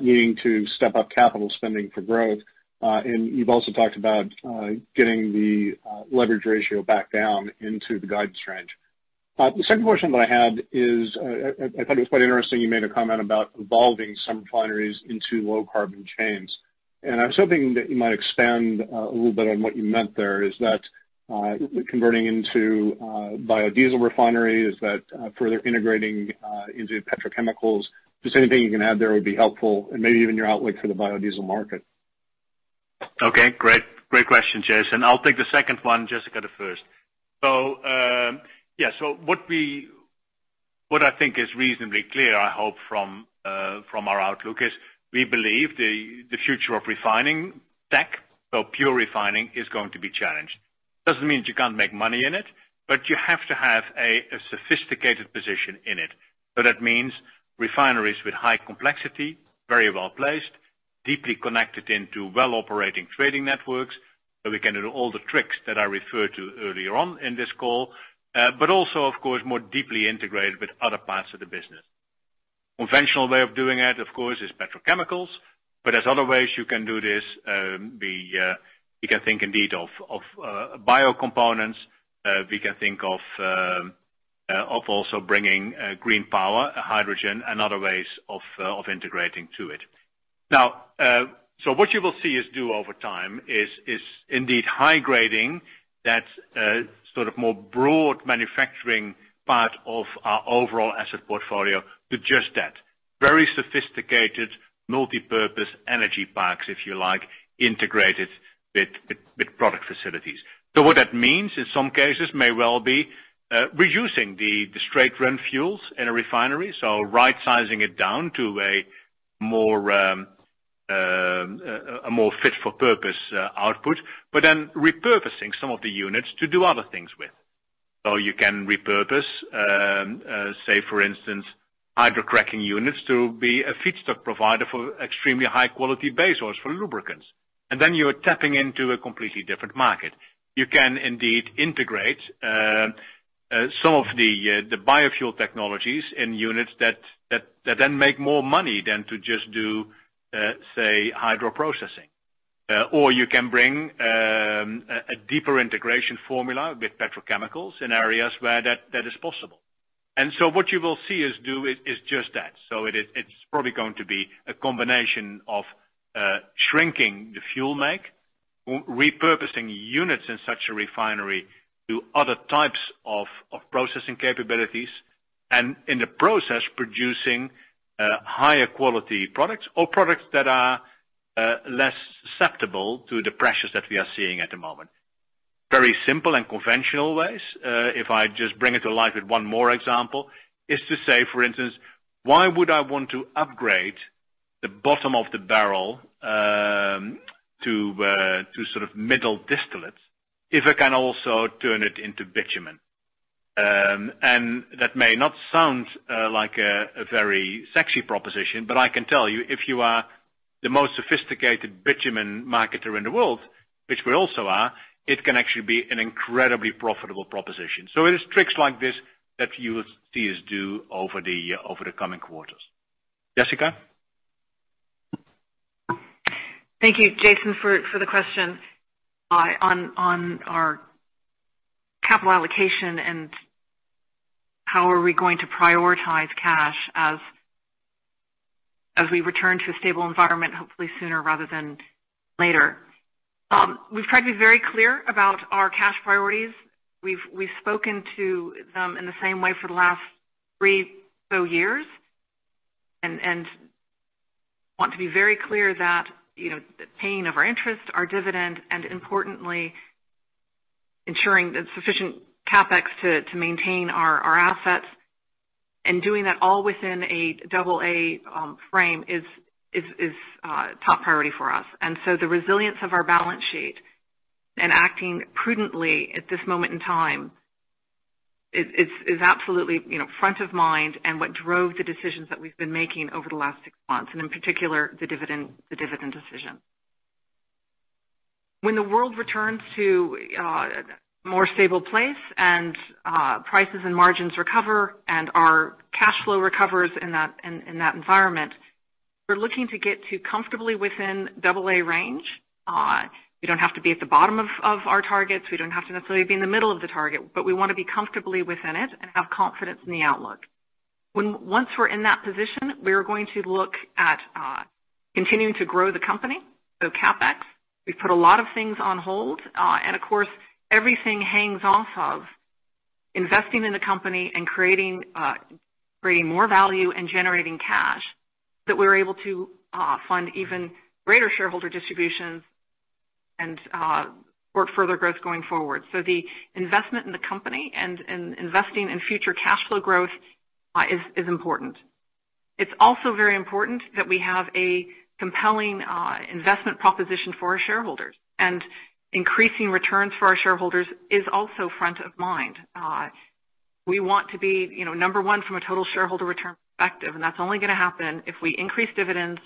needing to step up capital spending for growth. You've also talked about getting the leverage ratio back down into the guidance range. The second question that I had is, I thought it was quite interesting you made a comment about evolving some refineries into low-carbon chains, and I was hoping that you might expand a little bit on what you meant there. Is that converting into a biodiesel refinery? Is that further integrating into petrochemicals? Anything you can add there would be helpful and maybe even your outlook for the biodiesel market. Okay, great question, Jason. I'll take the second one, Jessica, the first. What I think is reasonably clear, I hope, from our outlook is we believe the future of refining tech, so pure refining, is going to be challenged. Doesn't mean you can't make money in it, but you have to have a sophisticated position in it. That means refineries with high complexity, very well placed, deeply connected into well-operating trading networks, so we can do all the tricks that I referred to earlier on in this call. Also, of course, more deeply integrated with other parts of the business. Conventional way of doing it, of course, is petrochemicals, but there's other ways you can do this. We can think indeed of biocomponents. We can think of also bringing green power, hydrogen, and other ways of integrating to it. What you will see us do over time is indeed high-grading that more broad manufacturing part of our overall asset portfolio to just that. Very sophisticated multipurpose energy parks, if you like, integrated with product facilities. What that means, in some cases, may well be reducing the straight run fuels in a refinery, so right-sizing it down to a more fit-for-purpose output, but then repurposing some of the units to do other things with. You can repurpose, say, for instance, hydrocracking units to be a feedstock provider for extremely high-quality base oils for lubricants. You are tapping into a completely different market. You can indeed integrate some of the biofuel technologies in units that then make more money than to just do, say, hydro processing. You can bring a deeper integration formula with petrochemicals in areas where that is possible. What you will see us do is just that. It's probably going to be a combination of shrinking the fuel make, repurposing units in such a refinery to other types of processing capabilities, and in the process, producing higher quality products or products that are less susceptible to the pressures that we are seeing at the moment. Very simple and conventional ways. If I just bring it to life with one more example, is to say, for instance, why would I want to upgrade the bottom of the barrel to middle distillates if I can also turn it into bitumen? That may not sound like a very sexy proposition, but I can tell you, if you are the most sophisticated bitumen marketer in the world, which we also are, it can actually be an incredibly profitable proposition. It is tricks like this that you will see us do over the coming quarters. Jessica? Thank you, Jason, for the question on our capital allocation and how are we going to prioritize cash as we return to a stable environment, hopefully sooner rather than later. We've tried to be very clear about our cash priorities. We've spoken to them in the same way for the last three or so years, and want to be very clear that the paying of our interest, our dividend, and importantly, ensuring that sufficient CapEx to maintain our assets and doing that all within a AA frame is top priority for us. The resilience of our balance sheet and acting prudently at this moment in time is absolutely front of mind and what drove the decisions that we've been making over the last six months, and in particular, the dividend decision. When the world returns to a more stable place and prices and margins recover and our cash flow recovers in that environment, we're looking to get to comfortably within AA range. We don't have to be at the bottom of our targets. We don't have to necessarily be in the middle of the target, but we want to be comfortably within it and have confidence in the outlook. Once we're in that position, we are going to look at continuing to grow the company, so CapEx. We've put a lot of things on hold. Of course, everything hangs off of investing in the company and creating more value and generating cash that we're able to fund even greater shareholder distributions and support further growth going forward. The investment in the company and investing in future cash flow growth is important. It's also very important that we have a compelling investment proposition for our shareholders, and increasing returns for our shareholders is also front of mind. We want to be number one from a total shareholder return perspective, and that's only going to happen if we increase dividends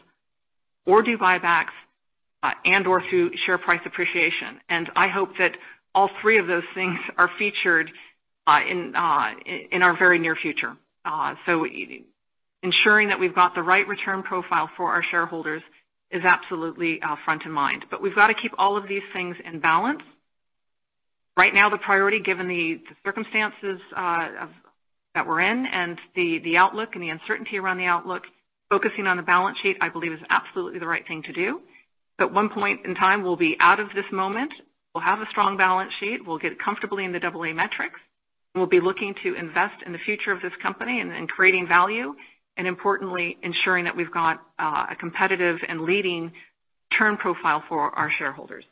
or do buybacks, and/or through share price appreciation. I hope that all three of those things are featured in our very near future. Ensuring that we've got the right return profile for our shareholders is absolutely front in mind. We've got to keep all of these things in balance. Right now, the priority, given the circumstances that we're in and the outlook and the uncertainty around the outlook, focusing on the balance sheet, I believe, is absolutely the right thing to do. At one point in time, we'll be out of this moment. We'll have a strong balance sheet. We'll get comfortably in the AA metrics. We'll be looking to invest in the future of this company and in creating value, and importantly, ensuring that we've got a competitive and leading return profile for our shareholders.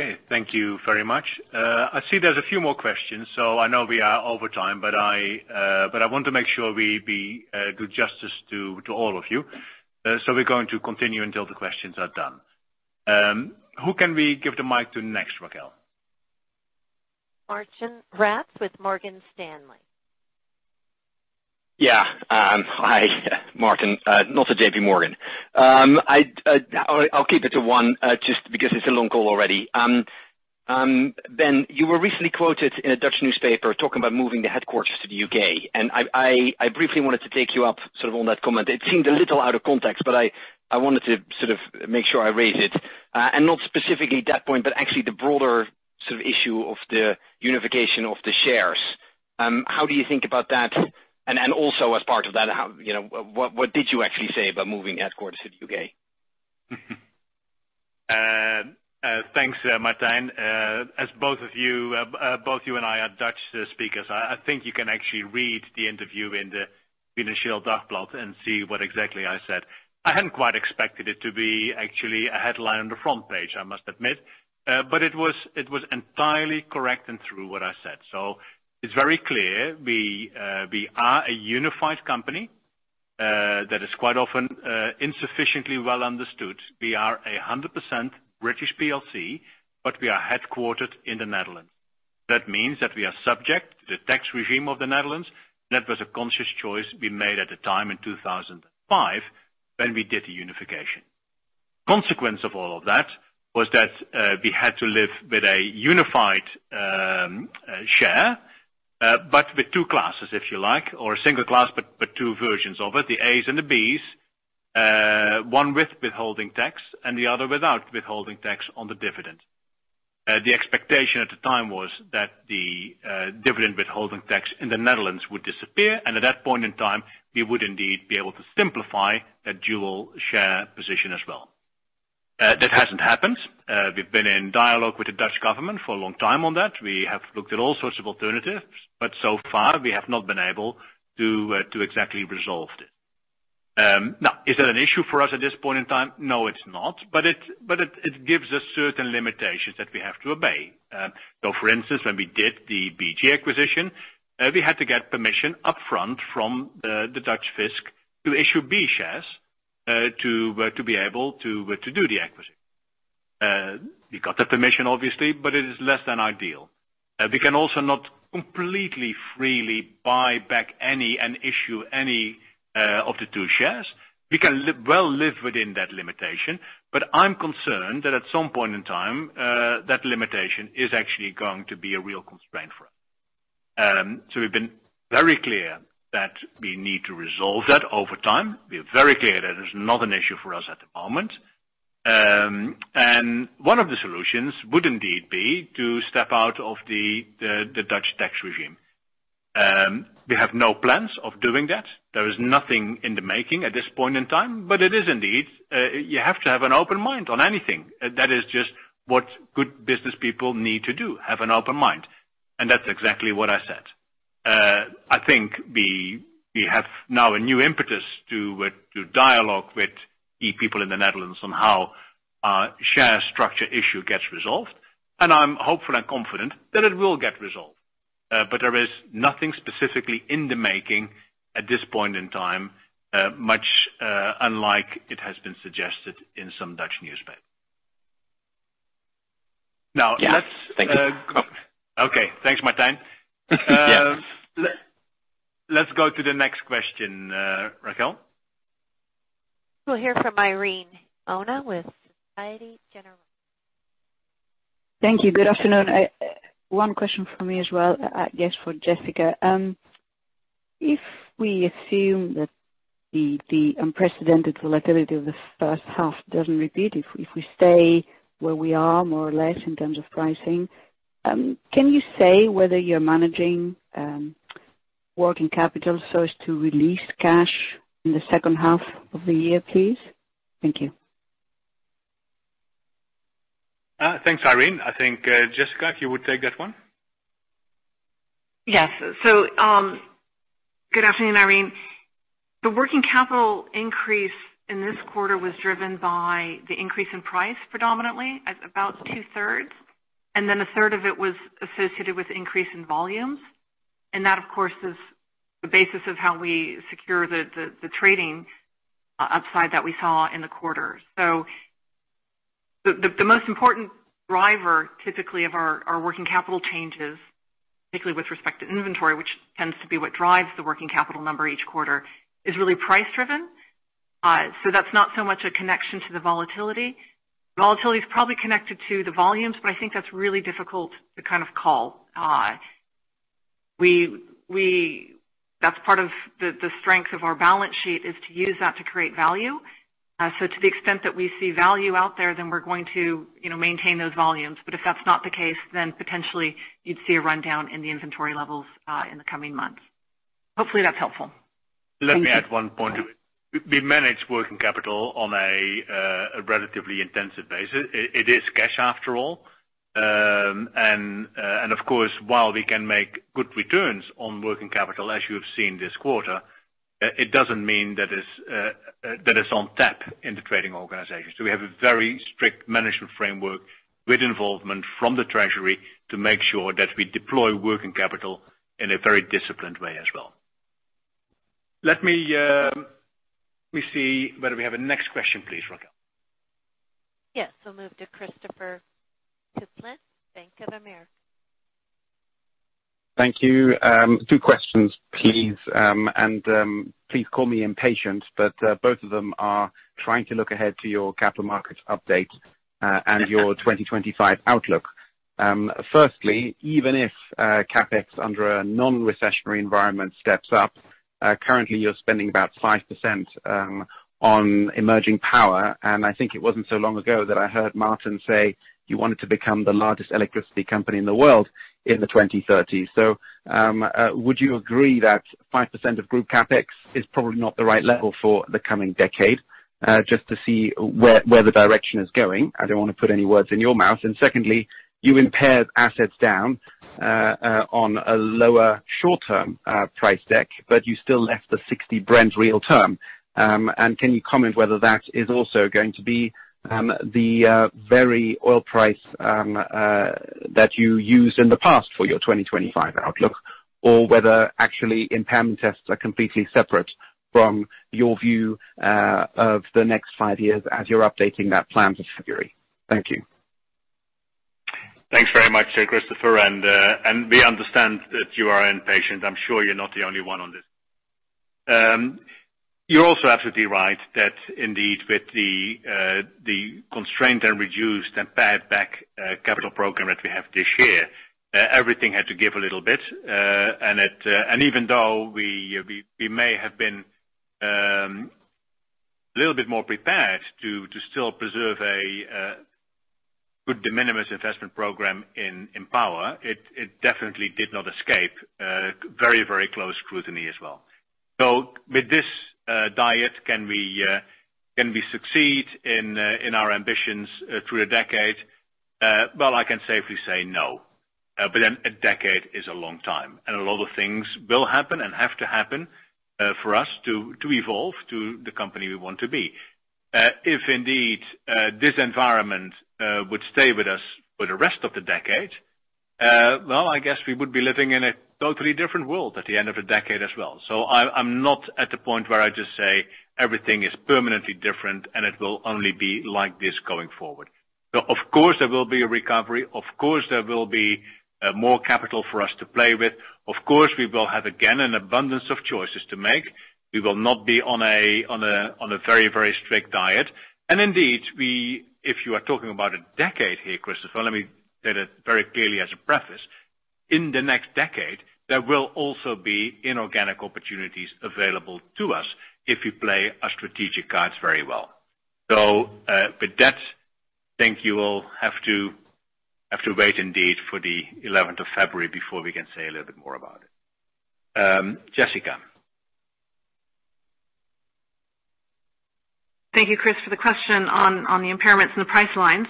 Okay. Thank you very much. I see there's a few more questions, so I know we are over time, but I want to make sure we do justice to all of you. We're going to continue until the questions are done. Who can we give the mic to next, Rochelle? Martijn Rats with Morgan Stanley. Yeah. Hi, Martijn. Not at JPMorgan. I'll keep it to one, just because it's a long call already. Ben, you were recently quoted in a Dutch newspaper talking about moving the headquarters to the U.K., and I briefly wanted to take you up on that comment. It seemed a little out of context, but I wanted to make sure I raise it. Not specifically that point, but actually the broader issue of the unification of the shares. How do you think about that? Also as part of that, what did you actually say about moving headquarters to the U.K.? Thanks, Martijn. As both you and I are Dutch speakers, I think you can actually read the interview in the Financieele Dagblad and see what exactly I said. I hadn't quite expected it to be actually a headline on the front page, I must admit. It was entirely correct and through what I said. It's very clear we are a unified company that is quite often insufficiently well understood. We are 100% British PLC, but we are headquartered in the Netherlands. That means that we are subject to the tax regime of the Netherlands. That was a conscious choice we made at the time in 2005, when we did the unification. Consequence of all of that was that we had to live with a unified share, but with two classes, if you like, or a single class, but two versions of it, the A's and the B's. One with withholding tax and the other without withholding tax on the dividend. The expectation at the time was that the dividend withholding tax in the Netherlands would disappear, and at that point in time, we would indeed be able to simplify that dual share position as well. That hasn't happened. We've been in dialogue with the Dutch government for a long time on that. We have looked at all sorts of alternatives, but so far, we have not been able to exactly resolve this. Is that an issue for us at this point in time? No, it's not, but it gives us certain limitations that we have to obey. For instance, when we did the BG acquisition, we had to get permission up front from the Dutch fisc to issue B shares, to be able to do the acquisition. We got the permission, obviously, but it is less than ideal. We can also not completely freely buy back any and issue any of the two shares. We can well live within that limitation, but I'm concerned that at some point in time, that limitation is actually going to be a real constraint for us. We've been very clear that we need to resolve that over time. We are very clear that it is not an issue for us at the moment. One of the solutions would indeed be to step out of the Dutch tax regime. We have no plans of doing that. There is nothing in the making at this point in time, but it is indeed, you have to have an open mind on anything. That is just what good business people need to do, have an open mind. That's exactly what I said. I think we have now a new impetus to dialogue with the people in the Netherlands on how our share structure issue gets resolved, and I'm hopeful and confident that it will get resolved. There is nothing specifically in the making at this point in time, much unlike it has been suggested in some Dutch newspapers. Yeah. Thank you. Okay. Thanks, Martijn. Yeah. Let's go to the next question, Rochelle. We'll hear from Irene Himona with Société Générale. Thank you. Good afternoon. One question from me as well, I guess for Jessica. If we assume that the unprecedented volatility of the first half doesn't repeat, if we stay where we are, more or less, in terms of pricing, can you say whether you're managing working capital so as to release cash in the second half of the year, please? Thank you. Thanks, Irene. I think, Jessica, if you would take that one. Yes. Good afternoon, Irene. The working capital increase in this quarter was driven by the increase in price predominantly, at about 2/3. A third of it was associated with increase in volumes. That, of course, is the basis of how we secure the trading upside that we saw in the quarter. The most important driver, typically, of our working capital changes, particularly with respect to inventory, which tends to be what drives the working capital number each quarter, is really price-driven. That's not so much a connection to the volatility. Volatility is probably connected to the volumes, I think that's really difficult to call. That's part of the strength of our balance sheet, is to use that to create value. To the extent that we see value out there, then we're going to maintain those volumes. If that's not the case, then potentially you'd see a rundown in the inventory levels in the coming months. Hopefully that's helpful. Let me add one point to it. We manage working capital on a relatively intensive basis. It is cash after all. Of course, while we can make good returns on working capital, as you have seen this quarter, it doesn't mean that it's on tap in the trading organization. We have a very strict management framework with involvement from the treasury to make sure that we deploy working capital in a very disciplined way as well. Let me see whether we have a next question, please, Rochelle. Yes. We'll move to Christopher Kuplent, Bank of America. Thank you. Two questions, please. Please call me impatient, but both of them are trying to look ahead to your capital markets update and your 2025 outlook. Firstly, even if CapEx under a non-recessionary environment steps up, currently you're spending about 5% on emerging power, and I think it wasn't so long ago that I heard Maarten say you wanted to become the largest electricity company in the world in the 2030s. Would you agree that 5% of group CapEx is probably not the right level for the coming decade? Just to see where the direction is going. I don't want to put any words in your mouth. Secondly, you impaired assets down on a lower short-term price deck, but you still left the $60 Brent real term. Can you comment whether that is also going to be the very oil price that you used in the past for your 2025 outlook? Whether actually impairment tests are completely separate from your view of the next five years as you're updating that plan for February. Thank you. Thanks very much, Christopher. We understand that you are impatient. I'm sure you're not the only one on this. You're also absolutely right that indeed, with the constraint and reduced and pared back capital program that we have this year, everything had to give a little bit. Even though we may have been a little bit more prepared to still preserve a good de minimis investment program in power, it definitely did not escape very, very close scrutiny as well. With this diet, can we succeed in our ambitions through a decade? Well, I can safely say no. A decade is a long time, and a lot of things will happen and have to happen for us to evolve to the company we want to be. If indeed this environment would stay with us for the rest of the decade, well, I guess we would be living in a totally different world at the end of the decade as well. I'm not at the point where I just say everything is permanently different and it will only be like this going forward. Of course, there will be a recovery. Of course, there will be more capital for us to play with. Of course, we will have, again, an abundance of choices to make. We will not be on a very, very strict diet. Indeed, if you are talking about a decade here, Christopher, let me say that very clearly as a preface. In the next decade, there will also be inorganic opportunities available to us if we play our strategic cards very well. With that, think you will have to wait indeed for the 11th of February before we can say a little bit more about it. Jessica. Thank you, Chris, for the question on the impairments in the price lines.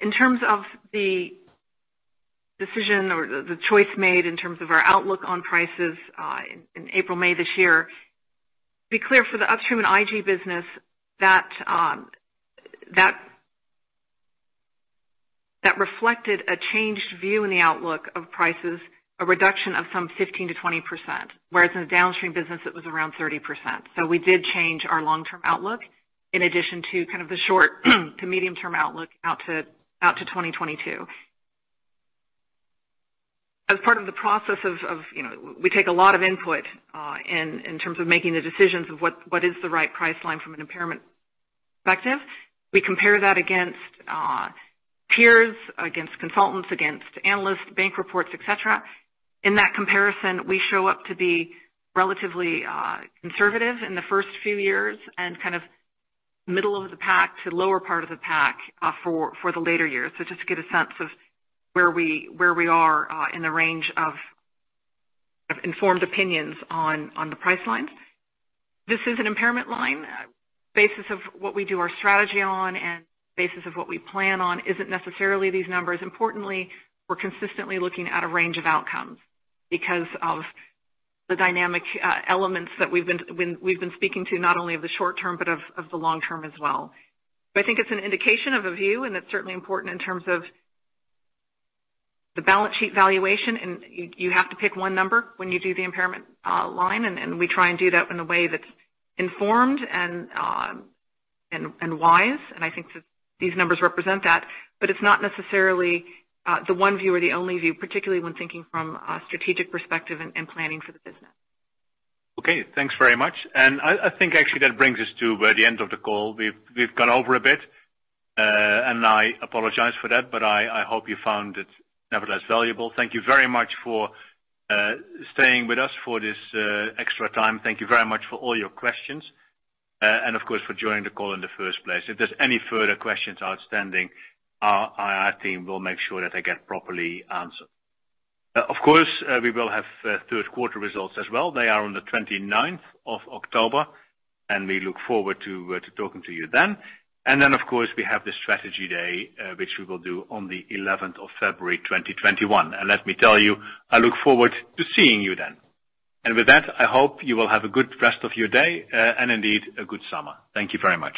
In terms of the decision or the choice made in terms of our outlook on prices in April, May this year, be clear for the Upstream and IG business that reflected a changed view in the outlook of prices, a reduction of some 15%-20%, whereas in the Downstream business it was around 30%. We did change our long-term outlook in addition to the short to medium-term outlook out to 2022. As part of the process, we take a lot of input in terms of making the decisions of what is the right price line from an impairment perspective. We compare that against peers, against consultants, against analysts, bank reports, et cetera. In that comparison, we show up to be relatively conservative in the first few years and middle of the pack to lower part of the pack for the later years. Just to get a sense of where we are in the range of informed opinions on the price lines. This is an impairment line. Basis of what we do our strategy on and basis of what we plan on isn't necessarily these numbers. Importantly, we're consistently looking at a range of outcomes because of the dynamic elements that we've been speaking to, not only of the short term, but of the long term as well. I think it's an indication of a view, and it's certainly important in terms of the balance sheet valuation, and you have to pick one number when you do the impairment line. We try and do that in a way that's informed and wise. I think these numbers represent that. It's not necessarily the one view or the only view, particularly when thinking from a strategic perspective and planning for the business. Okay, thanks very much. I think actually that brings us to the end of the call. We've gone over a bit, and I apologize for that, but I hope you found it nevertheless valuable. Thank you very much for staying with us for this extra time. Thank you very much for all your questions. Of course, for joining the call in the first place. If there's any further questions outstanding, our IR team will make sure that they get properly answered. Of course, we will have third quarter results as well. They are on the 29th of October, and we look forward to talking to you then. Of course, we have the strategy day, which we will do on the 11th of February 2021. Let me tell you, I look forward to seeing you then. With that, I hope you will have a good rest of your day and indeed a good summer. Thank you very much.